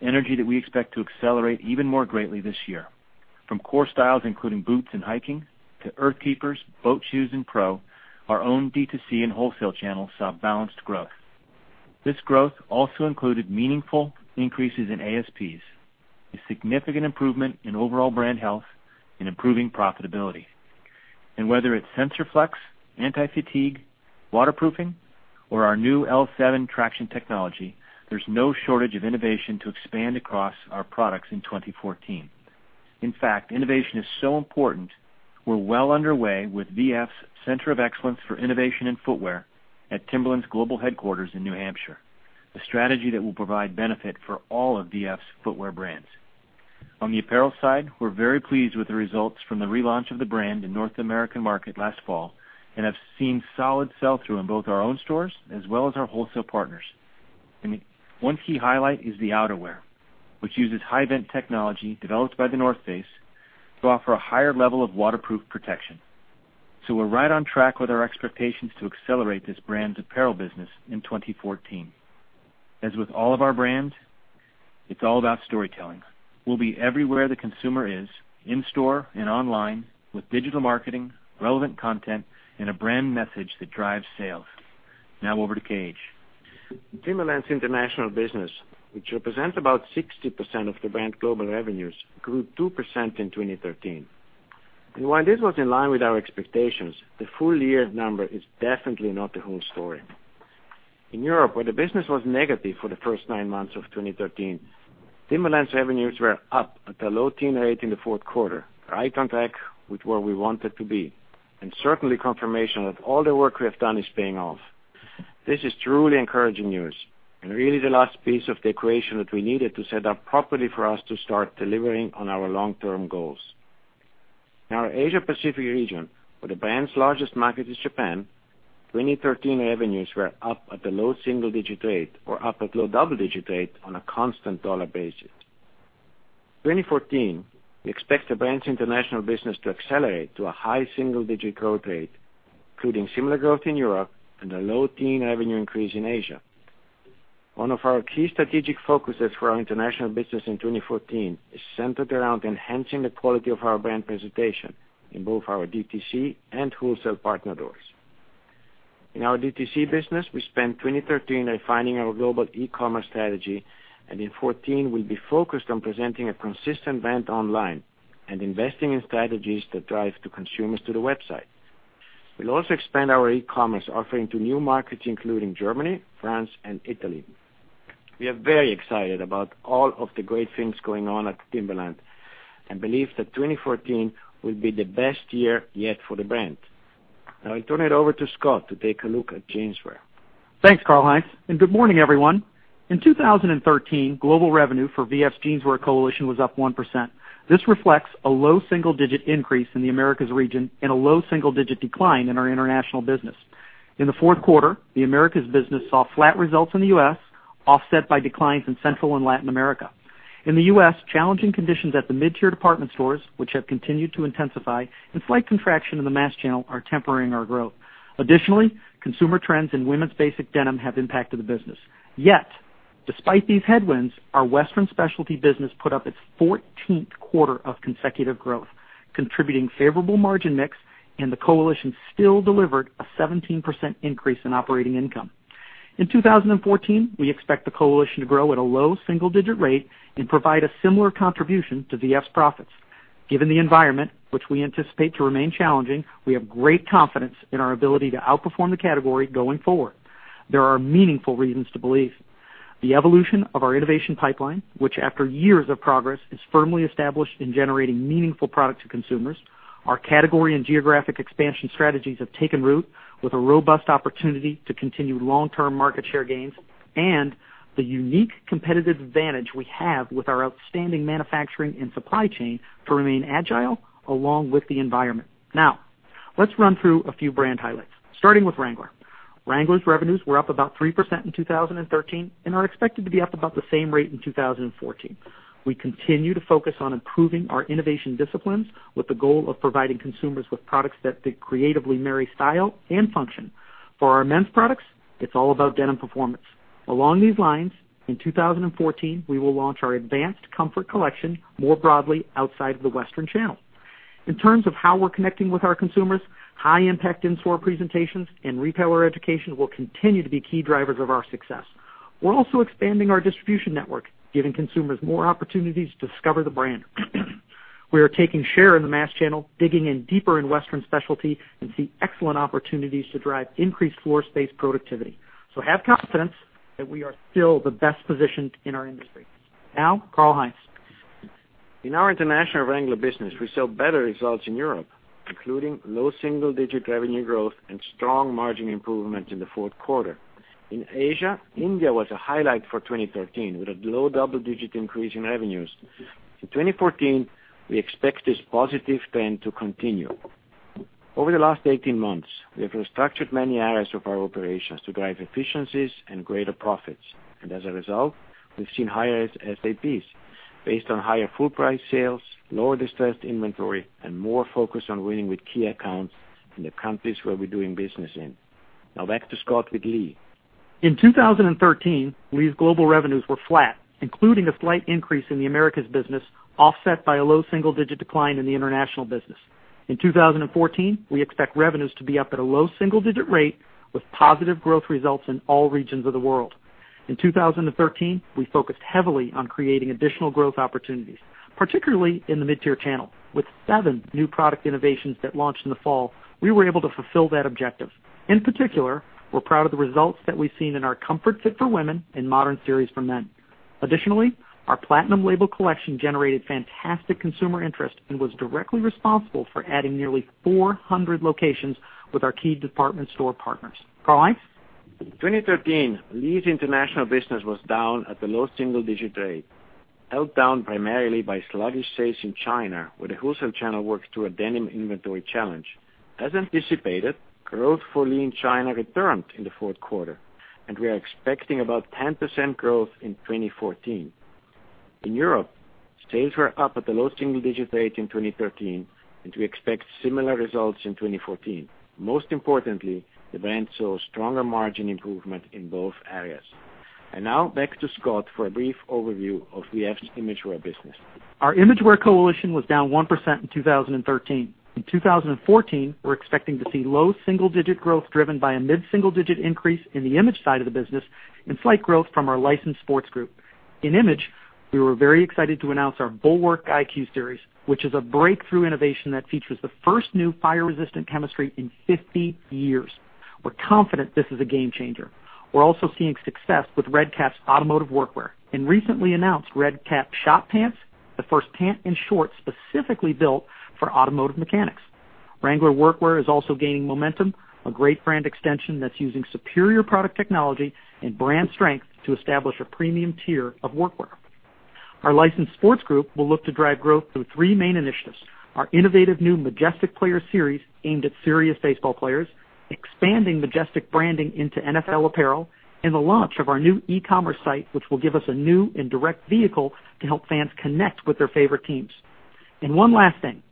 that we expect to accelerate even more greatly this year. From core styles, including boots and hiking, to Earthkeepers, boat shoes, and pro, our own D2C and wholesale channels saw balanced growth. This growth also included meaningful increases in ASPs, a significant improvement in overall brand health, and improving profitability. Whether it's SensorFlex, anti-fatigue, waterproofing, or our new L7 traction technology, there's no shortage of innovation to expand across our products in 2014. In fact, innovation is so important, we're well underway with VF's Center of Excellence for Innovation in Footwear at Timberland's global headquarters in New Hampshire, a strategy that will provide benefit for all of VF's footwear brands. On the apparel side, we're very pleased with the results from the relaunch of the brand in North American market last fall and have seen solid sell-through in both our own stores as well as our wholesale partners. One key highlight is the outerwear, which uses HyVent technology developed by The North Face to offer a higher level of waterproof protection. We're right on track with our expectations to accelerate this brand's apparel business in 2014. As with all of our brands, it's all about storytelling. We'll be everywhere the consumer is, in store and online, with digital marketing, relevant content, and a brand message that drives sales. Now over to KH. Timberland's international business, which represents about 60% of the brand global revenues, grew 2% in 2013. While this was in line with our expectations, the full-year number is definitely not the whole story. In Europe, where the business was negative for the first nine months of 2013, Timberland's revenues were up at a low teen rate in the fourth quarter, right on track with where we wanted to be, and certainly confirmation that all the work we have done is paying off. This is truly encouraging news, and really the last piece of the equation that we needed to set up properly for us to start delivering on our long-term goals. In our Asia Pacific region, where the brand's largest market is Japan, 2013 revenues were up at the low single-digit rate or up at low double-digit rate on a constant dollar basis. 2014, we expect the brand's international business to accelerate to a high single-digit growth rate, including similar growth in Europe and a low teen revenue increase in Asia. One of our key strategic focuses for our international business in 2014 is centered around enhancing the quality of our brand presentation in both our DTC and wholesale partner doors. In our DTC business, we spent 2013 refining our global e-commerce strategy. In 2014, we'll be focused on presenting a consistent brand online and investing in strategies that drive the consumers to the website. We'll also expand our e-commerce offering to new markets, including Germany, France, and Italy. We are very excited about all of the great things going on at Timberland and believe that 2014 will be the best year yet for the brand. Now I turn it over to Scott to take a look at Jeanswear. Thanks, Karl-Heinz, and good morning, everyone. In 2013, global revenue for VF's Jeanswear coalition was up 1%. This reflects a low single-digit increase in the Americas region and a low single-digit decline in our international business. In the fourth quarter, the Americas business saw flat results in the U.S., offset by declines in Central and Latin America. In the U.S., challenging conditions at the mid-tier department stores, which have continued to intensify, and slight contraction in the mass channel are tempering our growth. Additionally, consumer trends in women's basic denim have impacted the business. Yet, despite these headwinds, our Western specialty business put up its 14th quarter of consecutive growth, contributing favorable margin mix, and the coalition still delivered a 17% increase in operating income. In 2014, we expect the coalition to grow at a low single-digit rate and provide a similar contribution to VF's profits. Given the environment, which we anticipate to remain challenging, we have great confidence in our ability to outperform the category going forward. There are meaningful reasons to believe. The evolution of our innovation pipeline, which after years of progress, is firmly established in generating meaningful product to consumers. Our category and geographic expansion strategies have taken root with a robust opportunity to continue long-term market share gains. The unique competitive advantage we have with our outstanding manufacturing and supply chain to remain agile along with the environment. Now, let's run through a few brand highlights, starting with Wrangler. Wrangler's revenues were up about 3% in 2013 and are expected to be up about the same rate in 2014. We continue to focus on improving our innovation disciplines with the goal of providing consumers with products that creatively marry style and function. For our men's products, it's all about denim performance. Along these lines, in 2014, we will launch our Advanced Comfort collection more broadly outside of the Western channel. In terms of how we're connecting with our consumers, high-impact in-store presentations and retailer education will continue to be key drivers of our success. We're also expanding our distribution network, giving consumers more opportunities to discover the brand. We are taking share in the mass channel, digging in deeper in Western specialty, and see excellent opportunities to drive increased floor space productivity. Have confidence that we are still the best positioned in our industry. Now, Karl-Heinz. In our international Wrangler business, we saw better results in Europe, including low single-digit revenue growth and strong margin improvement in the fourth quarter. In Asia, India was a highlight for 2013, with a low double-digit increase in revenues. In 2014, we expect this positive trend to continue. Over the last 18 months, we have restructured many areas of our operations to drive efficiencies and greater profits, and as a result, we've seen higher ASPs based on higher full price sales, lower distressed inventory, and more focus on winning with key accounts in the countries where we're doing business in. Back to Scott with Lee. In 2013, Lee's global revenues were flat, including a slight increase in the Americas business, offset by a low single-digit decline in the international business. In 2014, we expect revenues to be up at a low single-digit rate with positive growth results in all regions of the world. In 2013, we focused heavily on creating additional growth opportunities, particularly in the mid-tier channel. With seven new product innovations that launched in the fall, we were able to fulfill that objective. In particular, we're proud of the results that we've seen in our Comfort Fit for women and Modern Series for men. Additionally, our Platinum Label collection generated fantastic consumer interest and was directly responsible for adding nearly 400 locations with our key department store partners. Karl-Heinz. 2013, Lee's international business was down at the low single-digit rate, held down primarily by sluggish sales in China, where the wholesale channel worked through a denim inventory challenge. As anticipated, growth for Lee in China returned in the fourth quarter, we are expecting about 10% growth in 2014. In Europe, sales were up at the low single-digit rate in 2013, we expect similar results in 2014. Most importantly, the brand saw stronger margin improvement in both areas. Now back to Scott for a brief overview of VF's Imagewear business. Our Imagewear coalition was down 1% in 2013. In 2014, we're expecting to see low single-digit growth driven by a mid-single-digit increase in the image side of the business and slight growth from our licensed sports group. In image, we were very excited to announce our Bulwark iQ Series, which is a breakthrough innovation that features the first new fire-resistant chemistry in 50 years. We're confident this is a game changer. We're also seeing success with Red Kap's automotive workwear and recently announced Red Kap shop pants, the first pant and shorts specifically built for automotive mechanics. Wrangler Workwear is also gaining momentum, a great brand extension that's using superior product technology and brand strength to establish a premium tier of workwear. Our licensed sports group will look to drive growth through three main initiatives. Our innovative new Majestic player series, aimed at serious baseball players, expanding Majestic branding into NFL apparel, and the launch of our new e-commerce site, which will give us a new and direct vehicle to help fans connect with their favorite teams. One last thing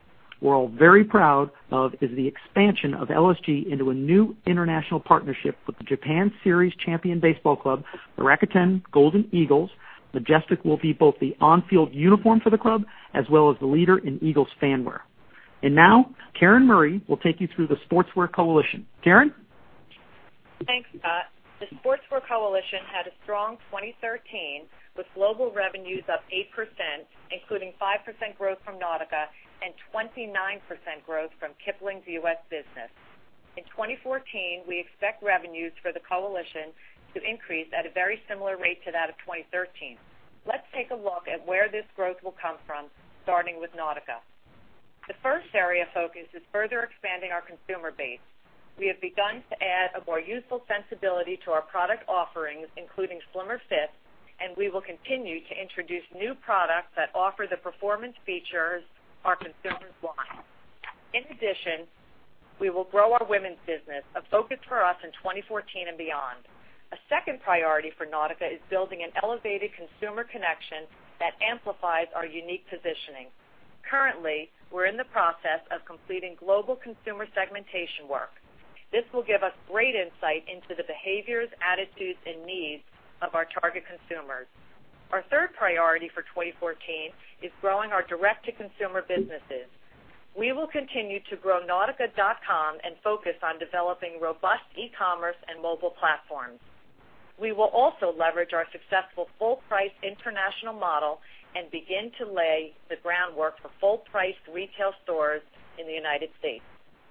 we're all very proud of is the expansion of LSG into a new international partnership with the Japan Series champion baseball club, the Rakuten Golden Eagles. Majestic will be both the on-field uniform for the club, as well as the leader in Eagles fan wear. Now Karen Murray will take you through the Sportswear Coalition. Karen? Thanks, Scott. The Sportswear Coalition had a strong 2013, with global revenues up 8%, including 5% growth from Nautica and 29% growth from Kipling's U.S. business. In 2014, we expect revenues for the coalition to increase at a very similar rate to that of 2013. Let's take a look at where this growth will come from, starting with Nautica. The first area of focus is further expanding our consumer base. We have begun to add a more youthful sensibility to our product offerings, including slimmer fits, and we will continue to introduce new products that offer the performance features our consumers want. In addition, we will grow our women's business, a focus for us in 2014 and beyond. A second priority for Nautica is building an elevated consumer connection that amplifies our unique positioning. Currently, we're in the process of completing global consumer segmentation work. This will give us great insight into the behaviors, attitudes, and needs of our target consumers. Our third priority for 2014 is growing our direct-to-consumer businesses. We will continue to grow nautica.com and focus on developing robust e-commerce and mobile platforms. We will also leverage our successful full-price international model and begin to lay the groundwork for full-priced retail stores in the U.S.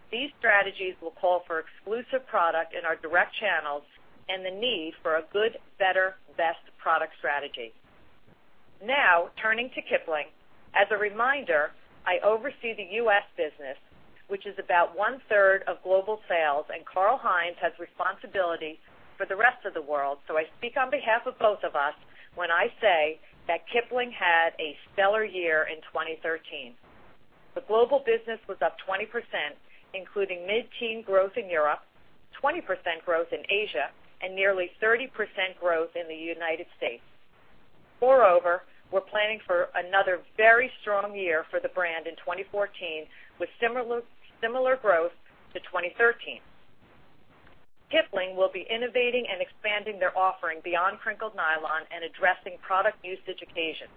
These strategies will call for exclusive product in our direct channels and the need for a good, better, best product strategy. Turning to Kipling. As a reminder, I oversee the U.S. business, which is about one-third of global sales, and Karl-Heinz has responsibility for the rest of the world. I speak on behalf of both of us when I say that Kipling had a stellar year in 2013. The global business was up 20%, including mid-teen growth in Europe, 20% growth in Asia, and nearly 30% growth in the U.S. Moreover, we're planning for another very strong year for the brand in 2014, with similar growth to 2013. Kipling will be innovating and expanding their offering beyond crinkled nylon and addressing product usage occasions.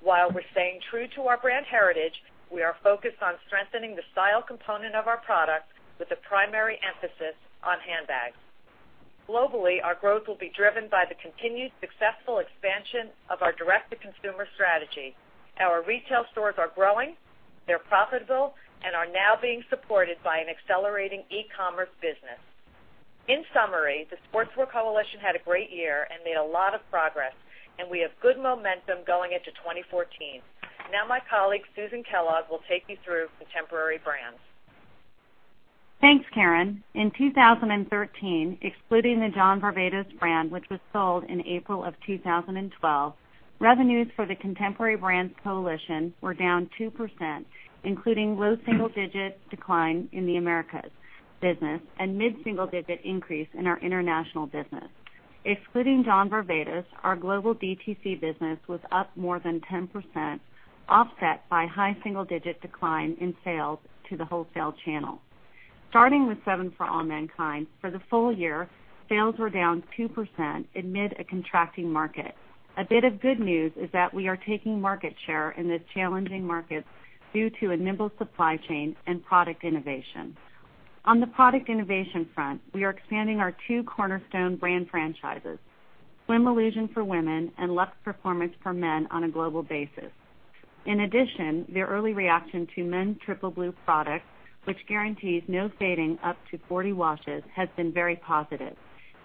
While we're staying true to our brand heritage, we are focused on strengthening the style component of our product with a primary emphasis on handbags. Globally, our growth will be driven by the continued successful expansion of our direct-to-consumer strategy. Our retail stores are growing, they're profitable, and are now being supported by an accelerating e-commerce business. In summary, the Sportswear Coalition had a great year and made a lot of progress, and we have good momentum going into 2014. My colleague Susan Kellogg will take you through Contemporary Brands. Thanks, Karen. In 2013, excluding the John Varvatos brand, which was sold in April of 2012, revenues for the Contemporary Brands coalition were down 2%, including low single-digit decline in the Americas business and mid-single-digit increase in our international business. Excluding John Varvatos, our global DTC business was up more than 10%, offset by high single-digit decline in sales to the wholesale channel. Starting with 7 For All Mankind. For the full year, sales were down 2% amid a contracting market. A bit of good news is that we are taking market share in this challenging market due to a nimble supply chain and product innovation. On the product innovation front, we are expanding our two cornerstone brand franchises, Slim Illusion for women and Luxe Performance for men, on a global basis. In addition, the early reaction to men's Triple Blue products, which guarantees no fading up to 40 washes, has been very positive.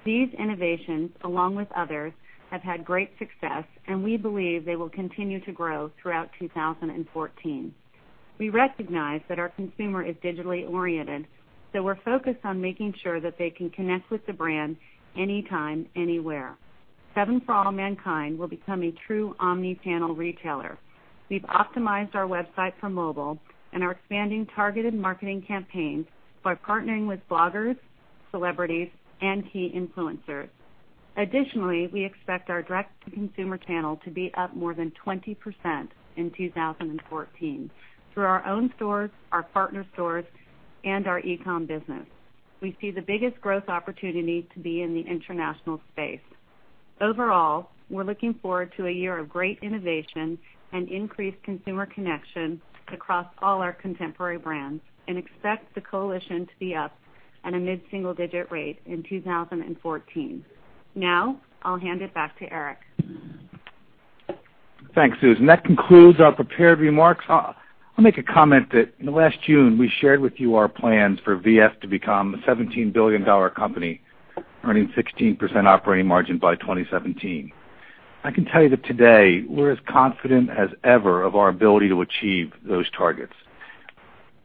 These innovations, along with others, have had great success, and we believe they will continue to grow throughout 2014. We recognize that our consumer is digitally oriented, we're focused on making sure that they can connect with the brand anytime, anywhere. 7 For All Mankind will become a true omni-channel retailer. We've optimized our website for mobile and are expanding targeted marketing campaigns by partnering with bloggers, celebrities, and key influencers. Additionally, we expect our direct-to-consumer channel to be up more than 20% in 2014 through our own stores, our partner stores, and our e-com business. We see the biggest growth opportunity to be in the international space. Overall, we're looking forward to a year of great innovation and increased consumer connection across all our Contemporary Brands and expect the coalition to be up at a mid-single-digit rate in 2014. Now, I'll hand it back to Eric. Thanks, Susan. That concludes our prepared remarks. I'll make a comment that last June, we shared with you our plans for V.F. to become a $17 billion company, earning 16% operating margin by 2017. I can tell you that today, we're as confident as ever of our ability to achieve those targets.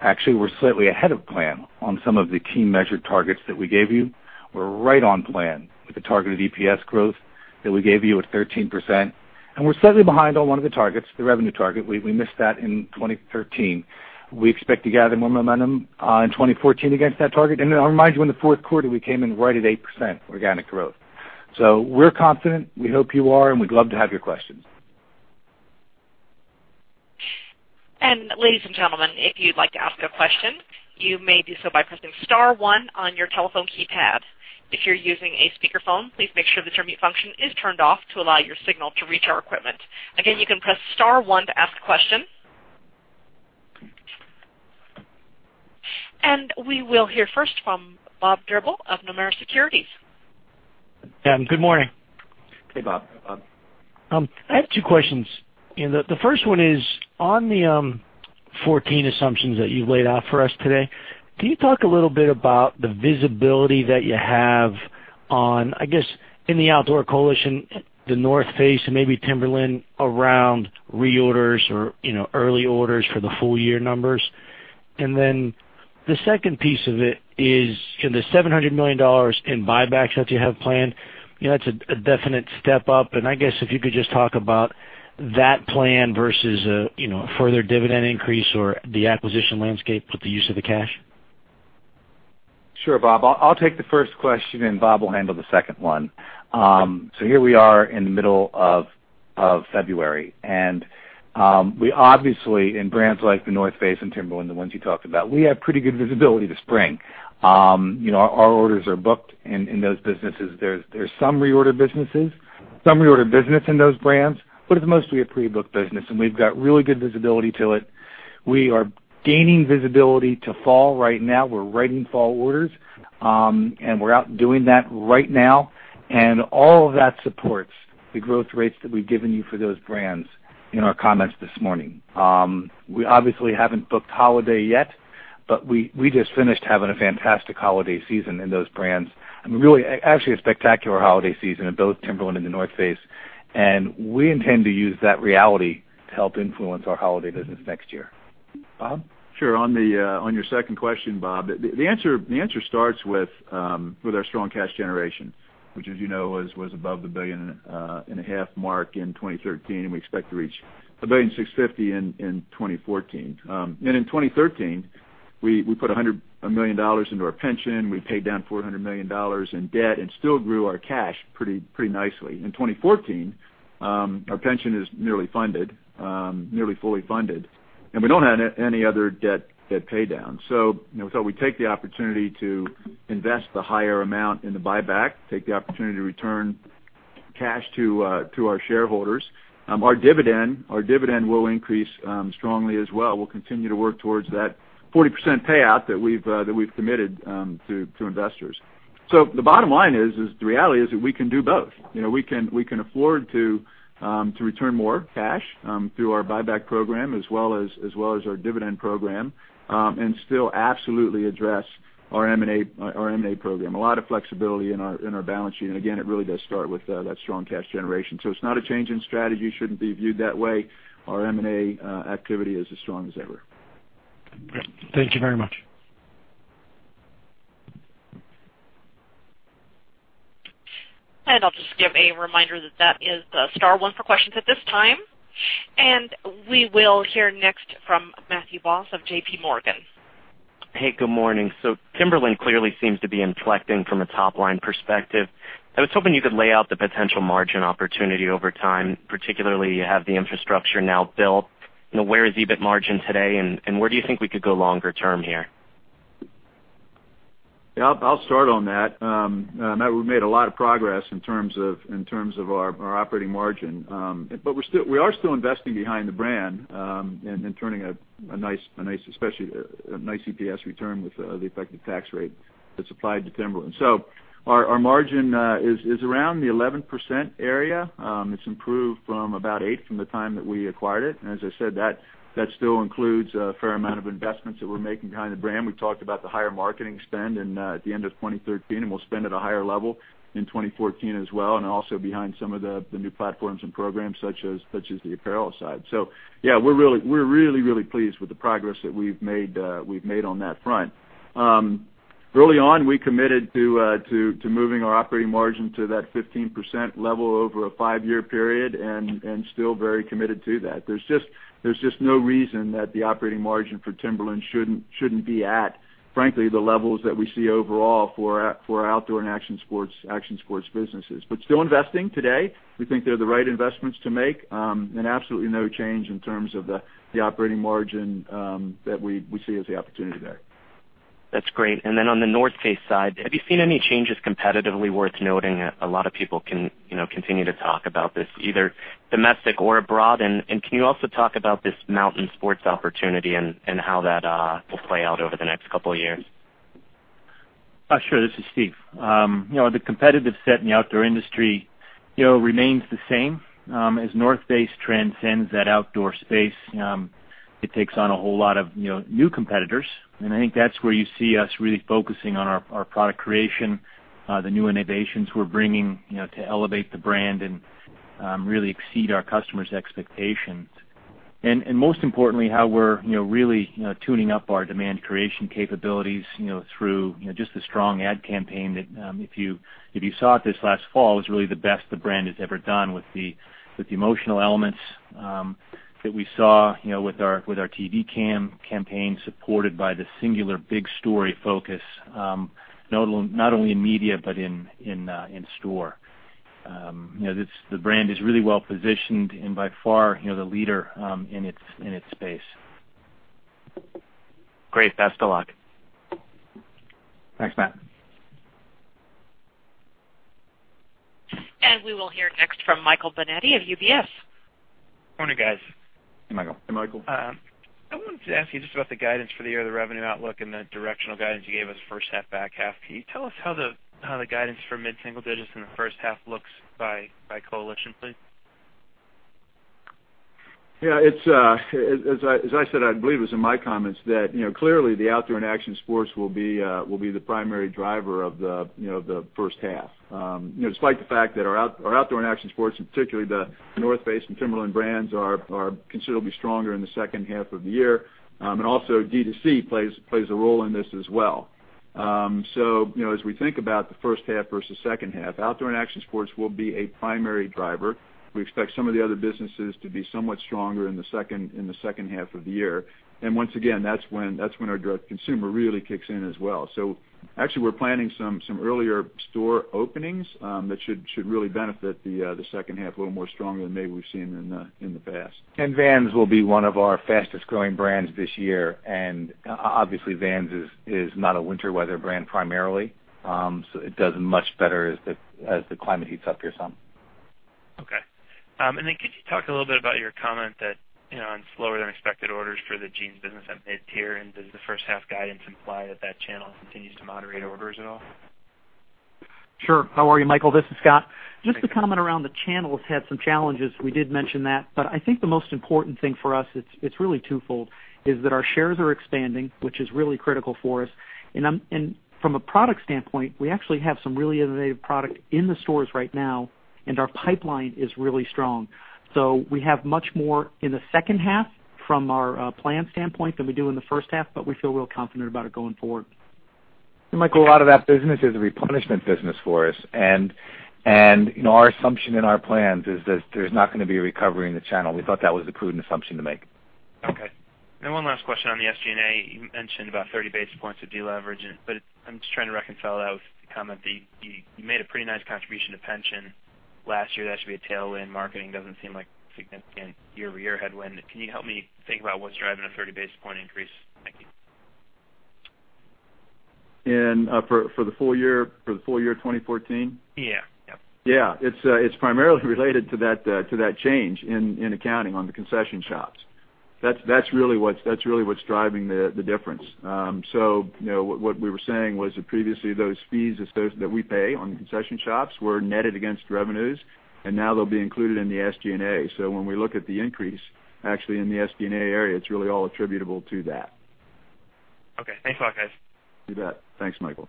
Actually, we're slightly ahead of plan on some of the key measured targets that we gave you. We're right on plan with the targeted EPS growth that we gave you at 13%, we're slightly behind on one of the targets, the revenue target. We missed that in 2013. We expect to gather more momentum in 2014 against that target. I'll remind you, in the fourth quarter, we came in right at 8% organic growth. We're confident. We hope you are, and we'd love to have your questions. Ladies and gentlemen, if you'd like to ask a question, you may do so by pressing *1 on your telephone keypad. If you're using a speakerphone, please make sure the mute function is turned off to allow your signal to reach our equipment. Again, you can press *1 to ask a question. We will hear first from Bob Drbul of Nomura Securities. Yeah. Good morning. Hey, Bob. I have two questions. The first one is, on the 2014 assumptions that you've laid out for us today, can you talk a little bit about the visibility that you have on, I guess, in the Outdoor coalition, The North Face and maybe Timberland around reorders or early orders for the full year numbers? Then the second piece of it is the $700 million in buybacks that you have planned. That's a definite step up, and I guess if you could just talk about that plan versus a further dividend increase or the acquisition landscape with the use of the cash. Sure, Bob. I'll take the first question, and Bob will handle the second one. Here we are in the middle of February, and we obviously, in brands like The North Face and Timberland, the ones you talked about, we have pretty good visibility to spring. Our orders are booked in those businesses. There's some reorder business in those brands, but it's mostly a pre-booked business, and we've got really good visibility to it. We are gaining visibility to fall right now. We're writing fall orders, and we're out doing that right now. All of that supports the growth rates that we've given you for those brands in our comments this morning. We obviously haven't booked holiday yet, but we just finished having a fantastic holiday season in those brands. Really, actually a spectacular holiday season in both Timberland and The North Face, and we intend to use that reality to help influence our holiday business next year. Bob? Sure. On your second question, Bob, the answer starts with our strong cash generation, which as you know, was above the billion and a half mark in 2013, and we expect to reach $1.65 billion in 2014. In 2013, we put $100 million into our pension. We paid down $400 million in debt and still grew our cash pretty nicely. In 2014, our pension is nearly fully funded, and we don't have any other debt pay down. We take the opportunity to invest the higher amount in the buyback, take the opportunity to return cash to our shareholders. Our dividend will increase strongly as well. We'll continue to work towards that 40% payout that we've committed to investors. The bottom line is, the reality is that we can do both. We can afford to return more cash through our buyback program as well as our dividend program, and still absolutely address our M&A program. A lot of flexibility in our balance sheet, and again, it really does start with that strong cash generation. It's not a change in strategy, shouldn't be viewed that way. Our M&A activity is as strong as ever. Great. Thank you very much. I'll just give a reminder that is star 1 for questions at this time. We will hear next from Matthew Boss of J.P. Morgan. Hey, good morning. Timberland clearly seems to be inflecting from a top-line perspective. I was hoping you could lay out the potential margin opportunity over time, particularly you have the infrastructure now built. Where is EBIT margin today, and where do you think we could go longer term here? Yeah, I'll start on that. Matt, we've made a lot of progress in terms of our operating margin. We are still investing behind the brand, and turning a nice EPS return with the effective tax rate that's applied to Timberland. Our margin is around the 11% area. It's improved from about eight from the time that we acquired it. As I said, that still includes a fair amount of investments that we're making behind the brand. We talked about the higher marketing spend at the end of 2013, we'll spend at a higher level in 2014 as well, also behind some of the new platforms and programs such as the apparel side. Yeah, we're really, really pleased with the progress that we've made on that front. Early on, we committed to moving our operating margin to that 15% level over a five-year period and still very committed to that. There's just no reason that the operating margin for Timberland shouldn't be at, frankly, the levels that we see overall for Outdoor & Action Sports businesses. Still investing today. We think they're the right investments to make, and absolutely no change in terms of the operating margin that we see as the opportunity there. That's great. Then on The North Face side, have you seen any changes competitively worth noting? A lot of people can continue to talk about this, either domestic or abroad. Can you also talk about this mountain sports opportunity and how that will play out over the next couple of years? Sure. This is Steve. The competitive set in the outdoor industry remains the same. As The North Face transcends that outdoor space, it takes on a whole lot of new competitors. I think that's where you see us really focusing on our product creation, the new innovations we're bringing to elevate the brand and really exceed our customers' expectations. Most importantly, how we're really tuning up our demand creation capabilities through just the strong ad campaign that, if you saw it this last fall, was really the best the brand has ever done with the emotional elements that we saw with our TV campaign supported by the singular big story focus, not only in media but in store. The brand is really well-positioned and by far the leader in its space. Great. Best of luck. Thanks, Matt. We will hear next from Michael Binetti of UBS. Morning, guys. Hey, Michael. Hey, Michael. I wanted to ask you just about the guidance for the year, the revenue outlook, and the directional guidance you gave us first half, back half. Can you tell us how the guidance for mid-single digits in the first half looks by coalition, please? Yeah. As I said, I believe it was in my comments that clearly the Outdoor & Action Sports will be the primary driver of the first half. Despite the fact that our Outdoor & Action Sports, and particularly The North Face and Timberland brands, are considerably stronger in the second half of the year. D2C plays a role in this as well. As we think about the first half versus second half, Outdoor & Action Sports will be a primary driver. We expect some of the other businesses to be somewhat stronger in the second half of the year. Once again, that's when our direct consumer really kicks in as well. Actually, we're planning some earlier store openings that should really benefit the second half a little more strongly than maybe we've seen in the past. Vans will be one of our fastest-growing brands this year. Obviously Vans is not a winter weather brand primarily, it does much better as the climate heats up here some. Okay. Then could you talk a little bit about your comment that on slower than expected orders for the jeans business at mid-tier and does the first half guidance imply that channel continues to moderate orders at all? Sure. How are you, Michael? This is Scott. Just to comment around the channels had some challenges. We did mention that, I think the most important thing for us, it's really twofold. Is that our shares are expanding, which is really critical for us. From a product standpoint, we actually have some really innovative product in the stores right now, and our pipeline is really strong. We have much more in the second half from our plan standpoint than we do in the first half, but we feel real confident about it going forward. Michael, a lot of that business is a replenishment business for us. Our assumption in our plans is that there's not going to be a recovery in the channel. We thought that was a prudent assumption to make. Okay. One last question on the SG&A. You mentioned about 30 basis points of deleverage, I'm just trying to reconcile that with the comment that you made a pretty nice contribution to pension last year. That should be a tailwind. Marketing doesn't seem like a significant year-over-year headwind. Can you help me think about what's driving a 30 basis point increase? Thank you. For the full year 2014? Yeah. Yeah. It's primarily related to that change in accounting on the concession shops. That's really what's driving the difference. What we were saying was that previously those fees that we pay on concession shops were netted against revenues, and now they'll be included in the SG&A. When we look at the increase actually in the SG&A area, it's really all attributable to that. Okay. Thanks a lot, guys. You bet. Thanks, Michael.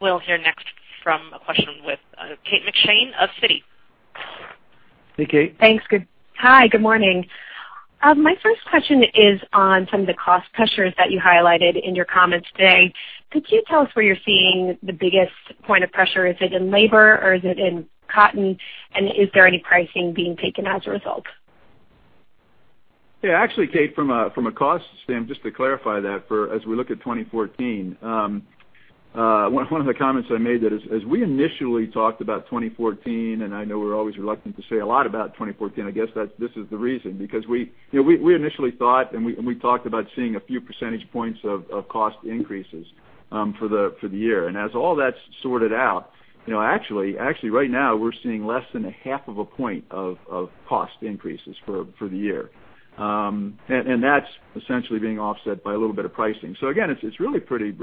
We'll hear next from a question with Kate McShane of Citi. Hey, Kate. Thanks. Hi, good morning. My first question is on some of the cost pressures that you highlighted in your comments today. Could you tell us where you're seeing the biggest point of pressure? Is it in labor or is it in cotton? Is there any pricing being taken as a result? Yeah, actually, Kate, from a cost standpoint, just to clarify that for as we look at 2014. One of the comments I made that as we initially talked about 2014, and I know we're always reluctant to say a lot about 2014, I guess this is the reason because we initially thought, and we talked about seeing a few percentage points of cost increases for the year. As all that's sorted out, actually right now, we're seeing less than a half of a point of cost increases for the year. That's essentially being offset by a little bit of pricing. Again, it's really pretty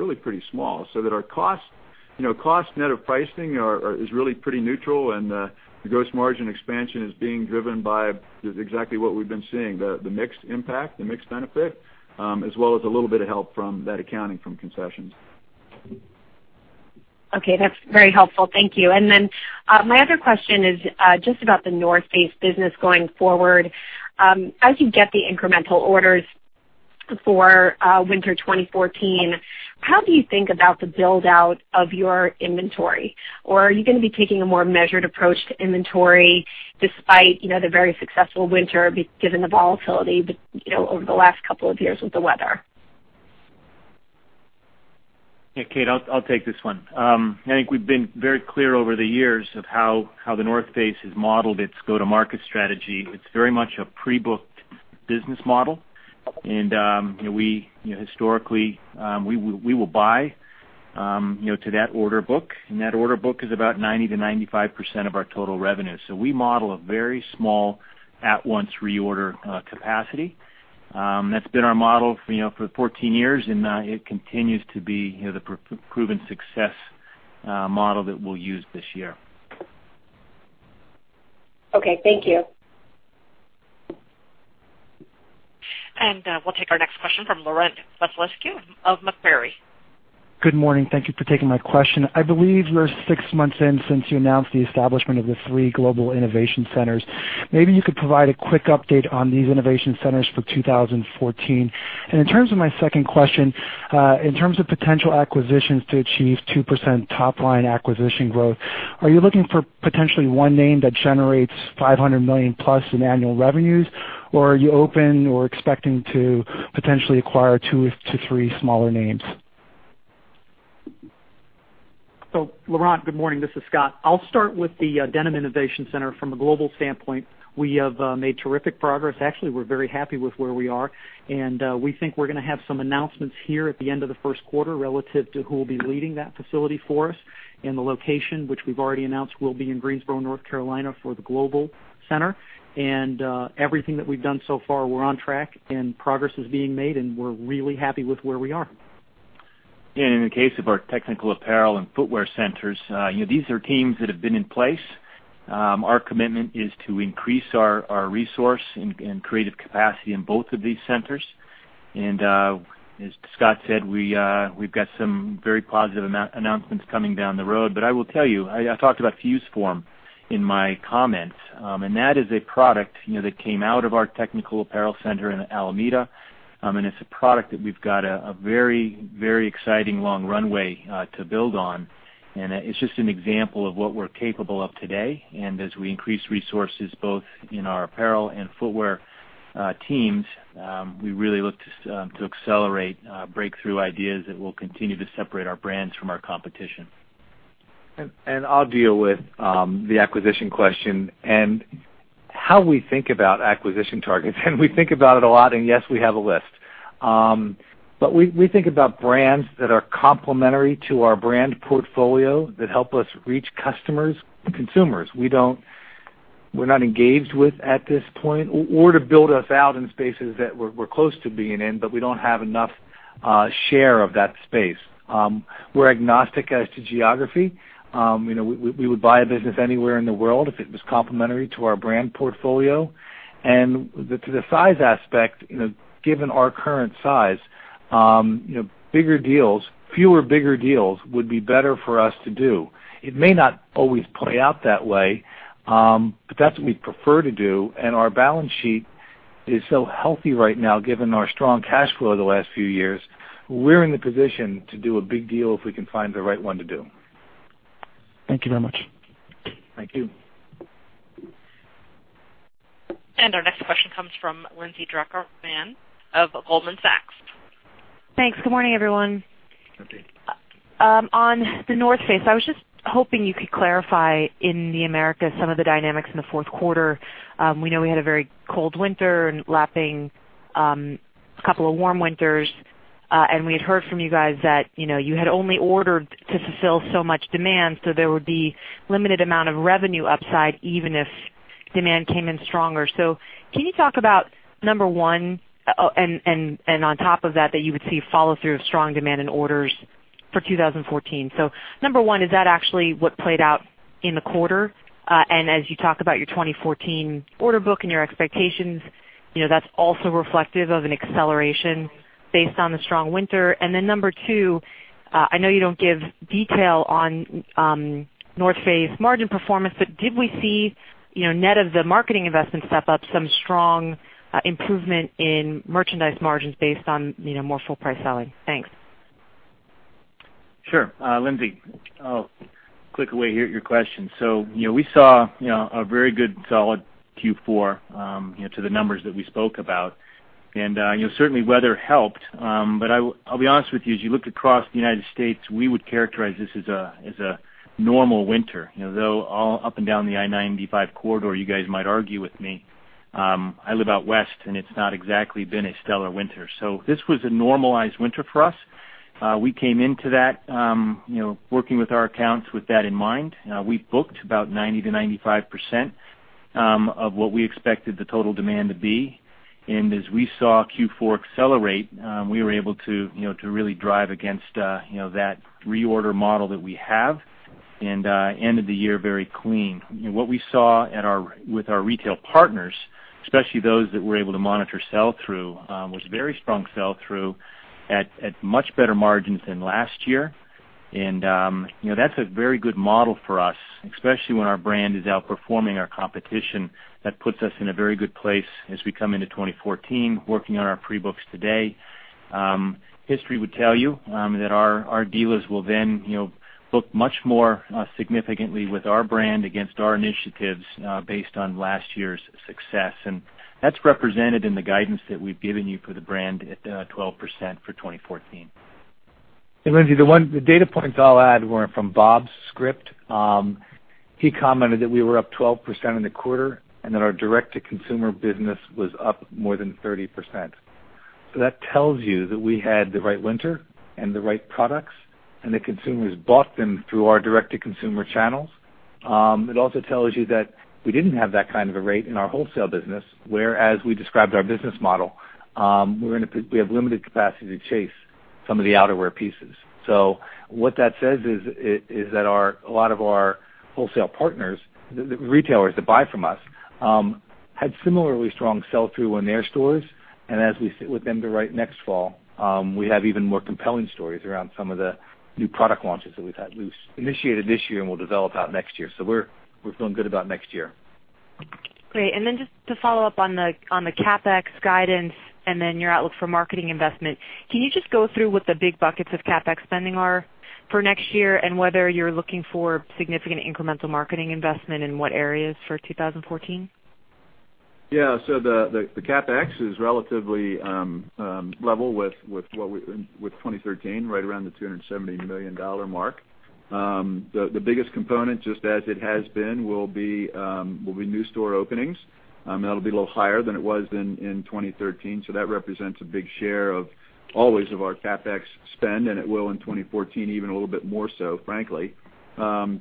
small so that our cost net of pricing is really pretty neutral and the gross margin expansion is being driven by exactly what we've been seeing, the mix impact, the mix benefit, as well as a little bit of help from that accounting from concessions. Okay. That's very helpful. Thank you. My other question is just about The North Face business going forward. As you get the incremental orders for winter 2014, how do you think about the build-out of your inventory? Or are you going to be taking a more measured approach to inventory despite the very successful winter, given the volatility over the last couple of years with the weather? Yeah, Kate, I'll take this one. I think we've been very clear over the years of how The North Face has modeled its go-to-market strategy. It's very much a pre-booked business model. Historically, we will buy To that order book, that order book is about 90%-95% of our total revenue. We model a very small at-once reorder capacity. That's been our model for 14 years, and it continues to be the proven success model that we'll use this year. Okay, thank you. We'll take our next question from Laurent Vasilescu of Macquarie. Good morning. Thank you for taking my question. I believe you're six months in since you announced the establishment of the three global innovation centers. Maybe you could provide a quick update on these innovation centers for 2014. In terms of my second question, in terms of potential acquisitions to achieve 2% top-line acquisition growth, are you looking for potentially one name that generates $500 million plus in annual revenues? Or are you open or expecting to potentially acquire two to three smaller names? Laurent, good morning. This is Scott. I'll start with the Denim Innovation Center. From a global standpoint, we have made terrific progress. Actually, we're very happy with where we are, and we think we're going to have some announcements here at the end of the first quarter relative to who will be leading that facility for us. The location, which we've already announced, will be in Greensboro, North Carolina, for the global center. Everything that we've done so far, we're on track and progress is being made, and we're really happy with where we are. In the case of our technical apparel and footwear centers, these are teams that have been in place. Our commitment is to increase our resource and creative capacity in both of these centers. As Scott said, we've got some very positive announcements coming down the road. I will tell you, I talked about FuseForm in my comments. That is a product that came out of our technical apparel center in Alameda, and it's a product that we've got a very exciting long runway to build on. It's just an example of what we're capable of today. As we increase resources both in our apparel and footwear teams, we really look to accelerate breakthrough ideas that will continue to separate our brands from our competition. I'll deal with the acquisition question and how we think about acquisition targets. We think about it a lot, and yes, we have a list. We think about brands that are complementary to our brand portfolio that help us reach customers, consumers we're not engaged with at this point or to build us out in spaces that we're close to being in, but we don't have enough share of that space. We're agnostic as to geography. We would buy a business anywhere in the world if it was complementary to our brand portfolio. To the size aspect, given our current size, fewer bigger deals would be better for us to do. It may not always play out that way, but that's what we'd prefer to do. Our balance sheet is so healthy right now, given our strong cash flow the last few years. We're in the position to do a big deal if we can find the right one to do. Thank you very much. Thank you. Our next question comes from Lindsay Drucker Mann of Goldman Sachs. Thanks. Good morning, everyone. Good day. The North Face, I was just hoping you could clarify in the Americas some of the dynamics in the fourth quarter. We know we had a very cold winter and lapping a couple of warm winters. We had heard from you guys that you had only ordered to fulfill so much demand, so there would be limited amount of revenue upside even if demand came in stronger. Can you talk about, on top of that, you would see follow-through of strong demand and orders for 2014. Number one, is that actually what played out in the quarter? As you talk about your 2014 order book and your expectations, that is also reflective of an acceleration based on the strong winter. Number two, I know you do not give detail on The North Face margin performance, did we see net of the marketing investment step up some strong improvement in merchandise margins based on more full price selling? Thanks. Sure. Lindsay, I will click away your question. We saw a very good, solid Q4 to the numbers that we spoke about. Certainly, weather helped, I will be honest with you, as you look across the U.S., we would characterize this as a normal winter, though all up and down the I-95 corridor, you guys might argue with me. I live out West, and it is not exactly been a stellar winter. This was a normalized winter for us. We came into that working with our accounts with that in mind. We booked about 90%-95% of what we expected the total demand to be. As we saw Q4 accelerate, we were able to really drive against that reorder model that we have and end of the year very clean. What we saw with our retail partners, especially those that were able to monitor sell-through, was very strong sell-through at much better margins than last year. That is a very good model for us, especially when our brand is outperforming our competition. That puts us in a very good place as we come into 2014 working on our pre-books today. History would tell you that our dealers will then book much more significantly with our brand against our initiatives based on last year's success. That is represented in the guidance that we have given you for the brand at 12% for 2014. Lindsay, the data points I'll add weren't from Bob's script. He commented that we were up 12% in the quarter and that our direct-to-consumer business was up more than 30%. That tells you that we had the right winter and the right products, and the consumers bought them through our direct-to-consumer channels. It also tells you that we didn't have that kind of a rate in our wholesale business, where, as we described our business model, we have limited capacity to chase some of the outerwear pieces. What that says is that a lot of our wholesale partners, the retailers that buy from us, had similarly strong sell-through on their stores. As we sit with them to write next fall, we have even more compelling stories around some of the new product launches that we've had [loose], initiated this year, and we'll develop out next year. We're feeling good about next year. Great. Then just to follow up on the CapEx guidance and then your outlook for marketing investment, can you just go through what the big buckets of CapEx spending are for next year and whether you're looking for significant incremental marketing investment in what areas for 2014? Yeah. The CapEx is relatively level with 2013, right around the $270 million mark. The biggest component, just as it has been, will be new store openings. That'll be a little higher than it was in 2013. That represents a big share of always of our CapEx spend, and it will in 2014, even a little bit more so frankly.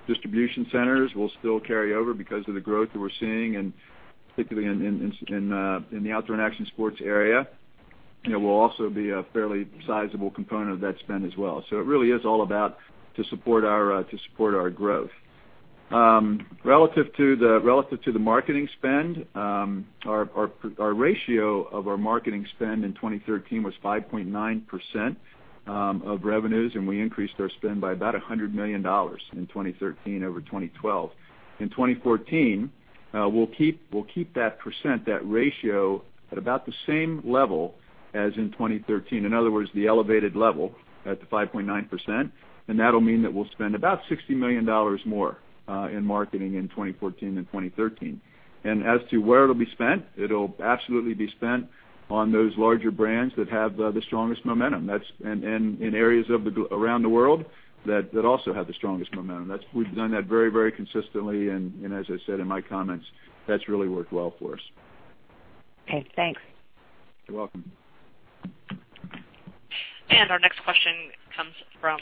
Distribution centers will still carry over because of the growth that we're seeing, particularly in the Outdoor & Action Sports area. It will also be a fairly sizable component of that spend as well. It really is all about to support our growth. Relative to the marketing spend, our ratio of our marketing spend in 2013 was 5.9% of revenues, we increased our spend by about $100 million in 2013 over 2012. In 2014, we'll keep that percent, that ratio, at about the same level as in 2013. In other words, the elevated level at the 5.9%, and that'll mean that we'll spend about $60 million more in marketing in 2014 than 2013. As to where it'll be spent, it'll absolutely be spent on those larger brands that have the strongest momentum. In areas around the world that also have the strongest momentum. We've done that very consistently, as I said in my comments, that's really worked well for us. Okay, thanks. You're welcome. Our next question comes from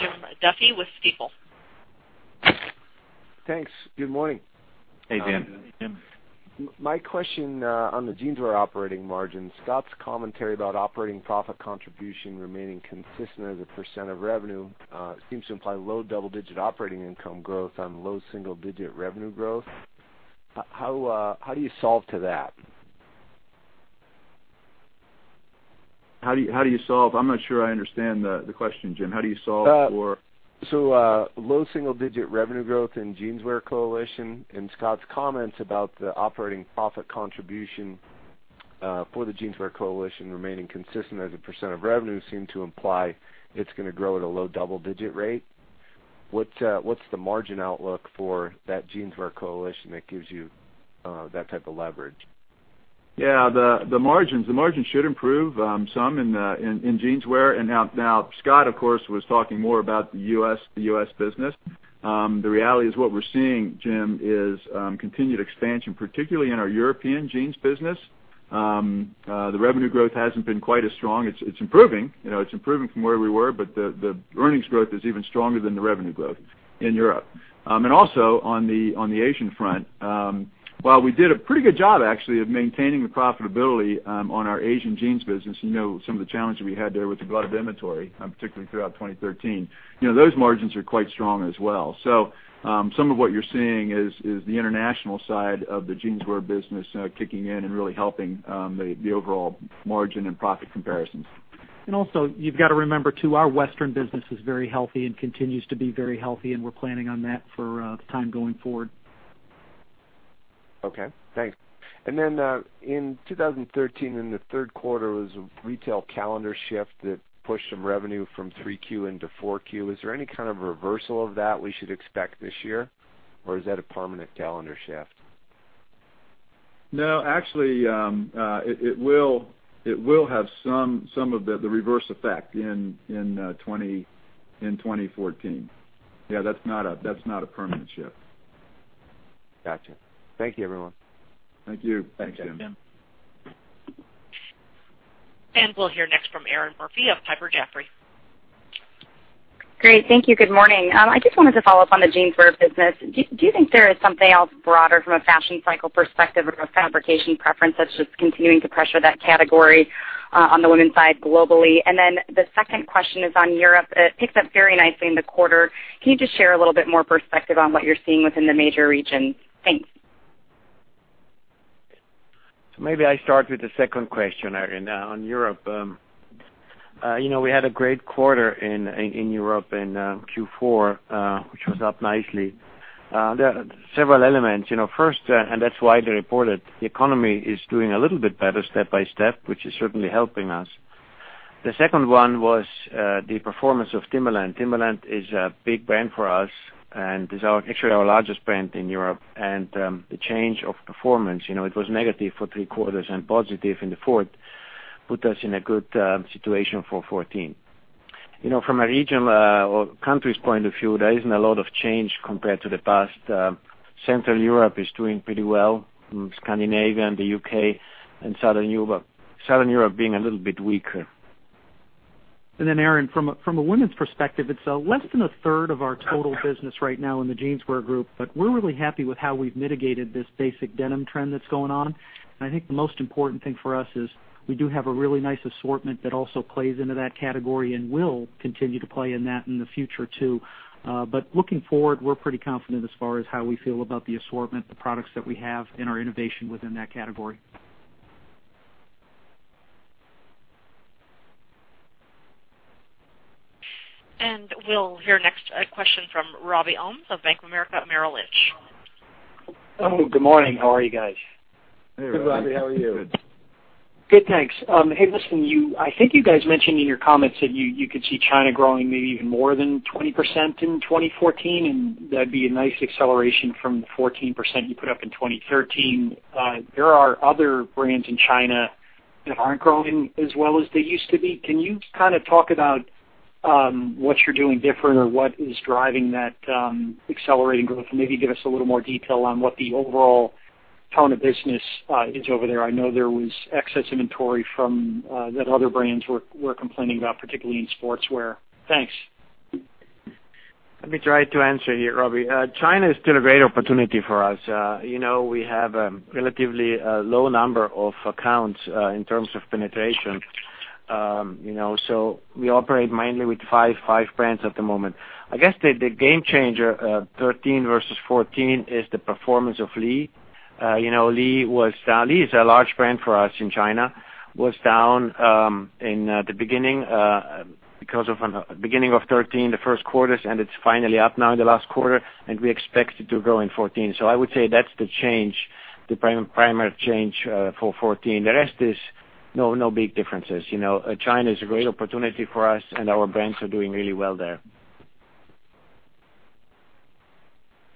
Jim Duffy with Stifel. Thanks. Good morning. Hey, Jim. Hey, Jim. My question on the Jeanswear operating margin. Scott's commentary about operating profit contribution remaining consistent as a % of revenue seems to imply low double-digit operating income growth on low single-digit revenue growth. How do you solve to that? I'm not sure I understand the question, Jim. How do you solve for- Low single-digit revenue growth in Jeanswear coalition, and Scott's comments about the operating profit contribution for the Jeanswear coalition remaining consistent as a % of revenue seem to imply it's going to grow at a low double-digit rate. What's the margin outlook for that Jeanswear coalition that gives you that type of leverage? Yeah. The margins should improve some in Jeanswear. Now, Scott, of course, was talking more about the U.S. business. The reality is what we're seeing, Jim, is continued expansion, particularly in our European jeans business. The revenue growth hasn't been quite as strong. It's improving from where we were, but the earnings growth is even stronger than the revenue growth in Europe. Also on the Asian front, while we did a pretty good job, actually, of maintaining the profitability on our Asian jeans business, some of the challenges we had there with a lot of inventory, particularly throughout 2013. Those margins are quite strong as well. Some of what you're seeing is the international side of the Jeanswear business kicking in and really helping the overall margin and profit comparisons. Also, you've got to remember too, our Western business is very healthy and continues to be very healthy, and we're planning on that for the time going forward. Okay, thanks. In 2013, in the third quarter was a retail calendar shift that pushed some revenue from 3Q into 4Q. Is there any kind of reversal of that we should expect this year? Or is that a permanent calendar shift? No. Actually, it will have some of the reverse effect in 2014. Yeah, that's not a permanent shift. Got you. Thank you, everyone. Thank you. Thanks, Jim. Thanks, Jim. We'll hear next from Erinn Murphy of Piper Jaffray. Great. Thank you. Good morning. I just wanted to follow up on the Jeanswear business. Do you think there is something else broader from a fashion cycle perspective or a fabrication preference that's just continuing to pressure that category on the women's side globally? The second question is on Europe. It picked up very nicely in the quarter. Can you just share a little bit more perspective on what you're seeing within the major regions? Thanks. Maybe I start with the second question, Erinn, on Europe. We had a great quarter in Europe in Q4, which was up nicely. There are several elements. First, and that's why they report it, the economy is doing a little bit better step by step, which is certainly helping us. The second one was the performance of Timberland. Timberland is a big brand for us and is actually our largest brand in Europe. The change of performance, it was negative for three quarters and positive in the fourth. Put us in a good situation for 2014. From a region or countries point of view, there isn't a lot of change compared to the past. Central Europe is doing pretty well. Scandinavia and the U.K. and Southern Europe being a little bit weaker. Then, Erinn, from a women's perspective, it's less than a third of our total business right now in the Jeanswear group, but we're really happy with how we've mitigated this basic denim trend that's going on. I think the most important thing for us is we do have a really nice assortment that also plays into that category and will continue to play in that in the future too. Looking forward, we're pretty confident as far as how we feel about the assortment, the products that we have, and our innovation within that category. We'll hear next a question from Robert Ohmes of Bank of America Merrill Lynch. Good morning. How are you guys? Hey, Robbie. How are you? Good. Good, thanks. Hey, listen, I think you guys mentioned in your comments that you could see China growing maybe even more than 20% in 2014, and that'd be a nice acceleration from the 14% you put up in 2013. There are other brands in China that aren't growing as well as they used to be. Can you talk about what you're doing different or what is driving that accelerating growth, and maybe give us a little more detail on what the overall tone of business is over there? I know there was excess inventory that other brands were complaining about, particularly in sportswear. Thanks. Let me try to answer here, Robbie. China is still a great opportunity for us. We have a relatively low number of accounts in terms of penetration. We operate mainly with five brands at the moment. I guess, the game changer 2013 versus 2014 is the performance of Lee. Lee is a large brand for us in China. Was down in the beginning of 2013, the first quarters, and it's finally up now in the last quarter, and we expect it to grow in 2014. I would say that's the primary change for 2014. The rest is no big differences. China is a great opportunity for us, and our brands are doing really well there.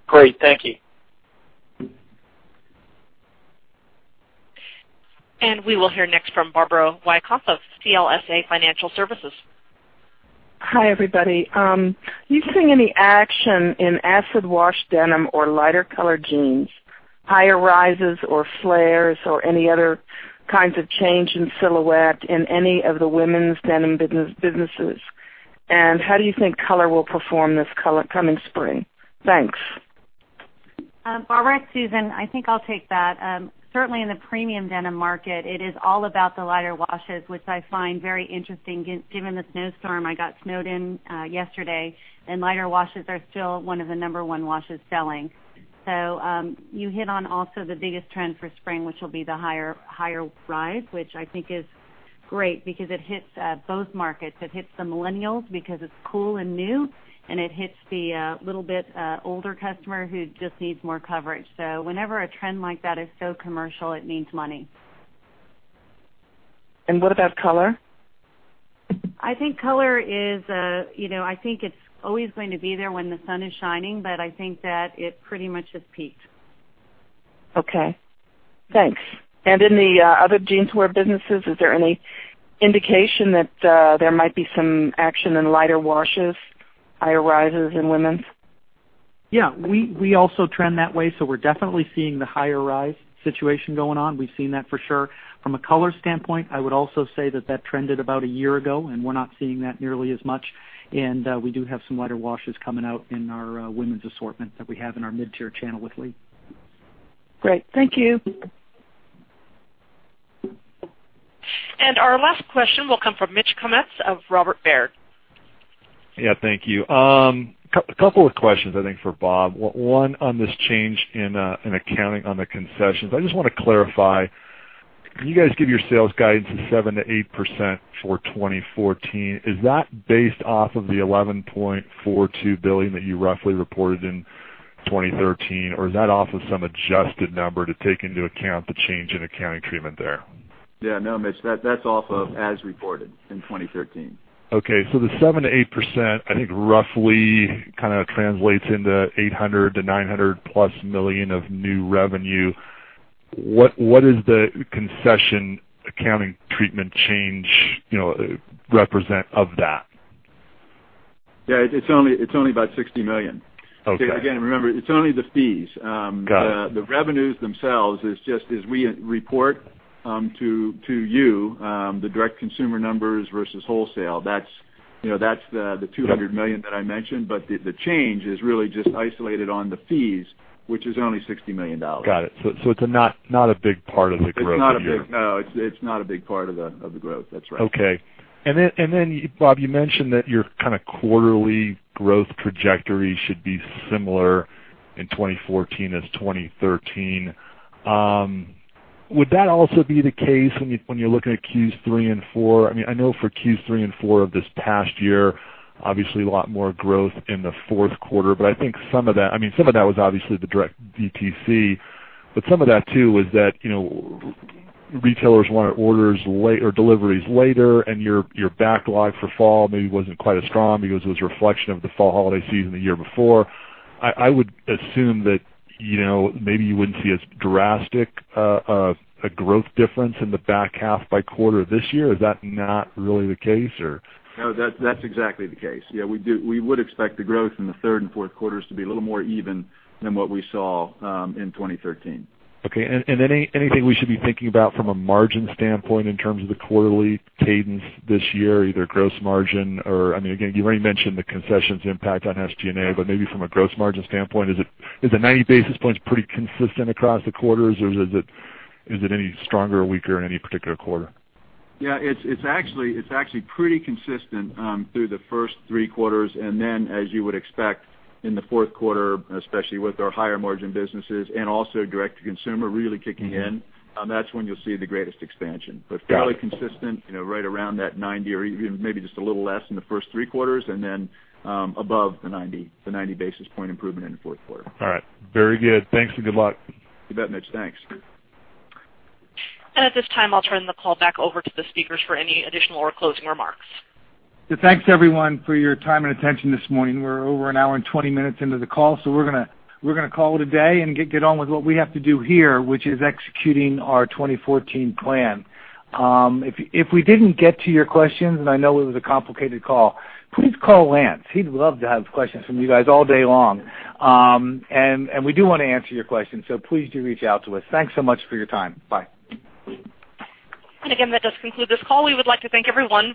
Great. Thank you. We will hear next from Barbara Wyckoff of CLSA. Hi, everybody. You've seen any action in acid wash denim or lighter colored jeans, higher rises or flares, or any other kinds of change in silhouette in any of the women's denim businesses. How do you think color will perform this coming spring? Thanks. Barbara, Susan, I think I'll take that. Certainly, in the premium denim market, it is all about the lighter washes, which I find very interesting given the snowstorm. I got snowed in yesterday, lighter washes are still one of the number 1 washes selling. You hit on also the biggest trend for spring, which will be the higher rise, which I think is great because it hits both markets. It hits the millennials because it's cool and new, it hits the little bit older customer who just needs more coverage. Whenever a trend like that is so commercial, it means money. What about color? I think color, I think it's always going to be there when the sun is shining, but I think that it pretty much has peaked. Okay. Thanks. In the other Jeanswear businesses, is there any indication that there might be some action in lighter washes, higher rises in women's? Yeah. We also trend that way, so we're definitely seeing the higher rise situation going on. We've seen that for sure. From a color standpoint, I would also say that that trended about a year ago, and we're not seeing that nearly as much. We do have some lighter washes coming out in our women's assortment that we have in our mid-tier channel with Lee. Great. Thank you. Our last question will come from Mitch Kummetz of Robert W. Baird & Co. Thank you. Couple of questions, I think, for Bob. One on this change in accounting on the concessions. I just want to clarify. You guys give your sales guidance of 7%-8% for 2014. Is that based off of the $11.42 billion that you roughly reported in 2013? Or is that off of some adjusted number to take into account the change in accounting treatment there? No, Mitch, that's off of as reported in 2013. Okay. The 7% to 8%, I think, roughly translates into $800 million-$900 million plus of new revenue. What does the concession accounting treatment change represent of that? Yeah. It's only about $60 million. Okay. Again, remember, it's only the fees. Got it. The revenues themselves is just as we report to you the direct-to-consumer numbers versus wholesale. That's the $200 million that I mentioned. The change is really just isolated on the fees, which is only $60 million. Got it. It's not a big part of the growth here. No, it's not a big part of the growth. That's right. Okay. Bob, you mentioned that your kind of quarterly growth trajectory should be similar in 2014 as 2013. Would that also be the case when you're looking at Q3 and four? I know for Q3 and four of this past year, obviously a lot more growth in the fourth quarter. I think some of that was obviously the direct DTC. Some of that too was that retailers wanted deliveries later, and your backlog for fall maybe wasn't quite as strong because it was a reflection of the fall holiday season the year before. I would assume that maybe you wouldn't see as drastic a growth difference in the back half by quarter this year. Is that not really the case, or? No, that's exactly the case. Yeah, we would expect the growth in the third and fourth quarters to be a little more even than what we saw in 2013. Okay. Anything we should be thinking about from a margin standpoint in terms of the quarterly cadence this year, either gross margin or, again, you've already mentioned the concessions impact on SG&A, but maybe from a gross margin standpoint, is the 90 basis points pretty consistent across the quarters, or is it any stronger or weaker in any particular quarter? Yeah. It's actually pretty consistent through the first three quarters, and then as you would expect in the fourth quarter, especially with our higher margin businesses and also direct-to-consumer really kicking in. That's when you'll see the greatest expansion. Got it. Fairly consistent right around that 90 or even maybe just a little less in the first three quarters and then above the 90 basis point improvement in the fourth quarter. All right. Very good. Thanks, and good luck. You bet, Mitch. Thanks. At this time, I'll turn the call back over to the speakers for any additional or closing remarks. Thanks everyone for your time and attention this morning. We're over an hour and 20 minutes into the call, so we're going to call it a day and get on with what we have to do here, which is executing our 2014 plan. If we didn't get to your questions, and I know it was a complicated call, please call Lance. He'd love to have questions from you guys all day long. We do want to answer your questions, so please do reach out to us. Thanks so much for your time. Bye. Again, that does conclude this call. We would like to thank everyone.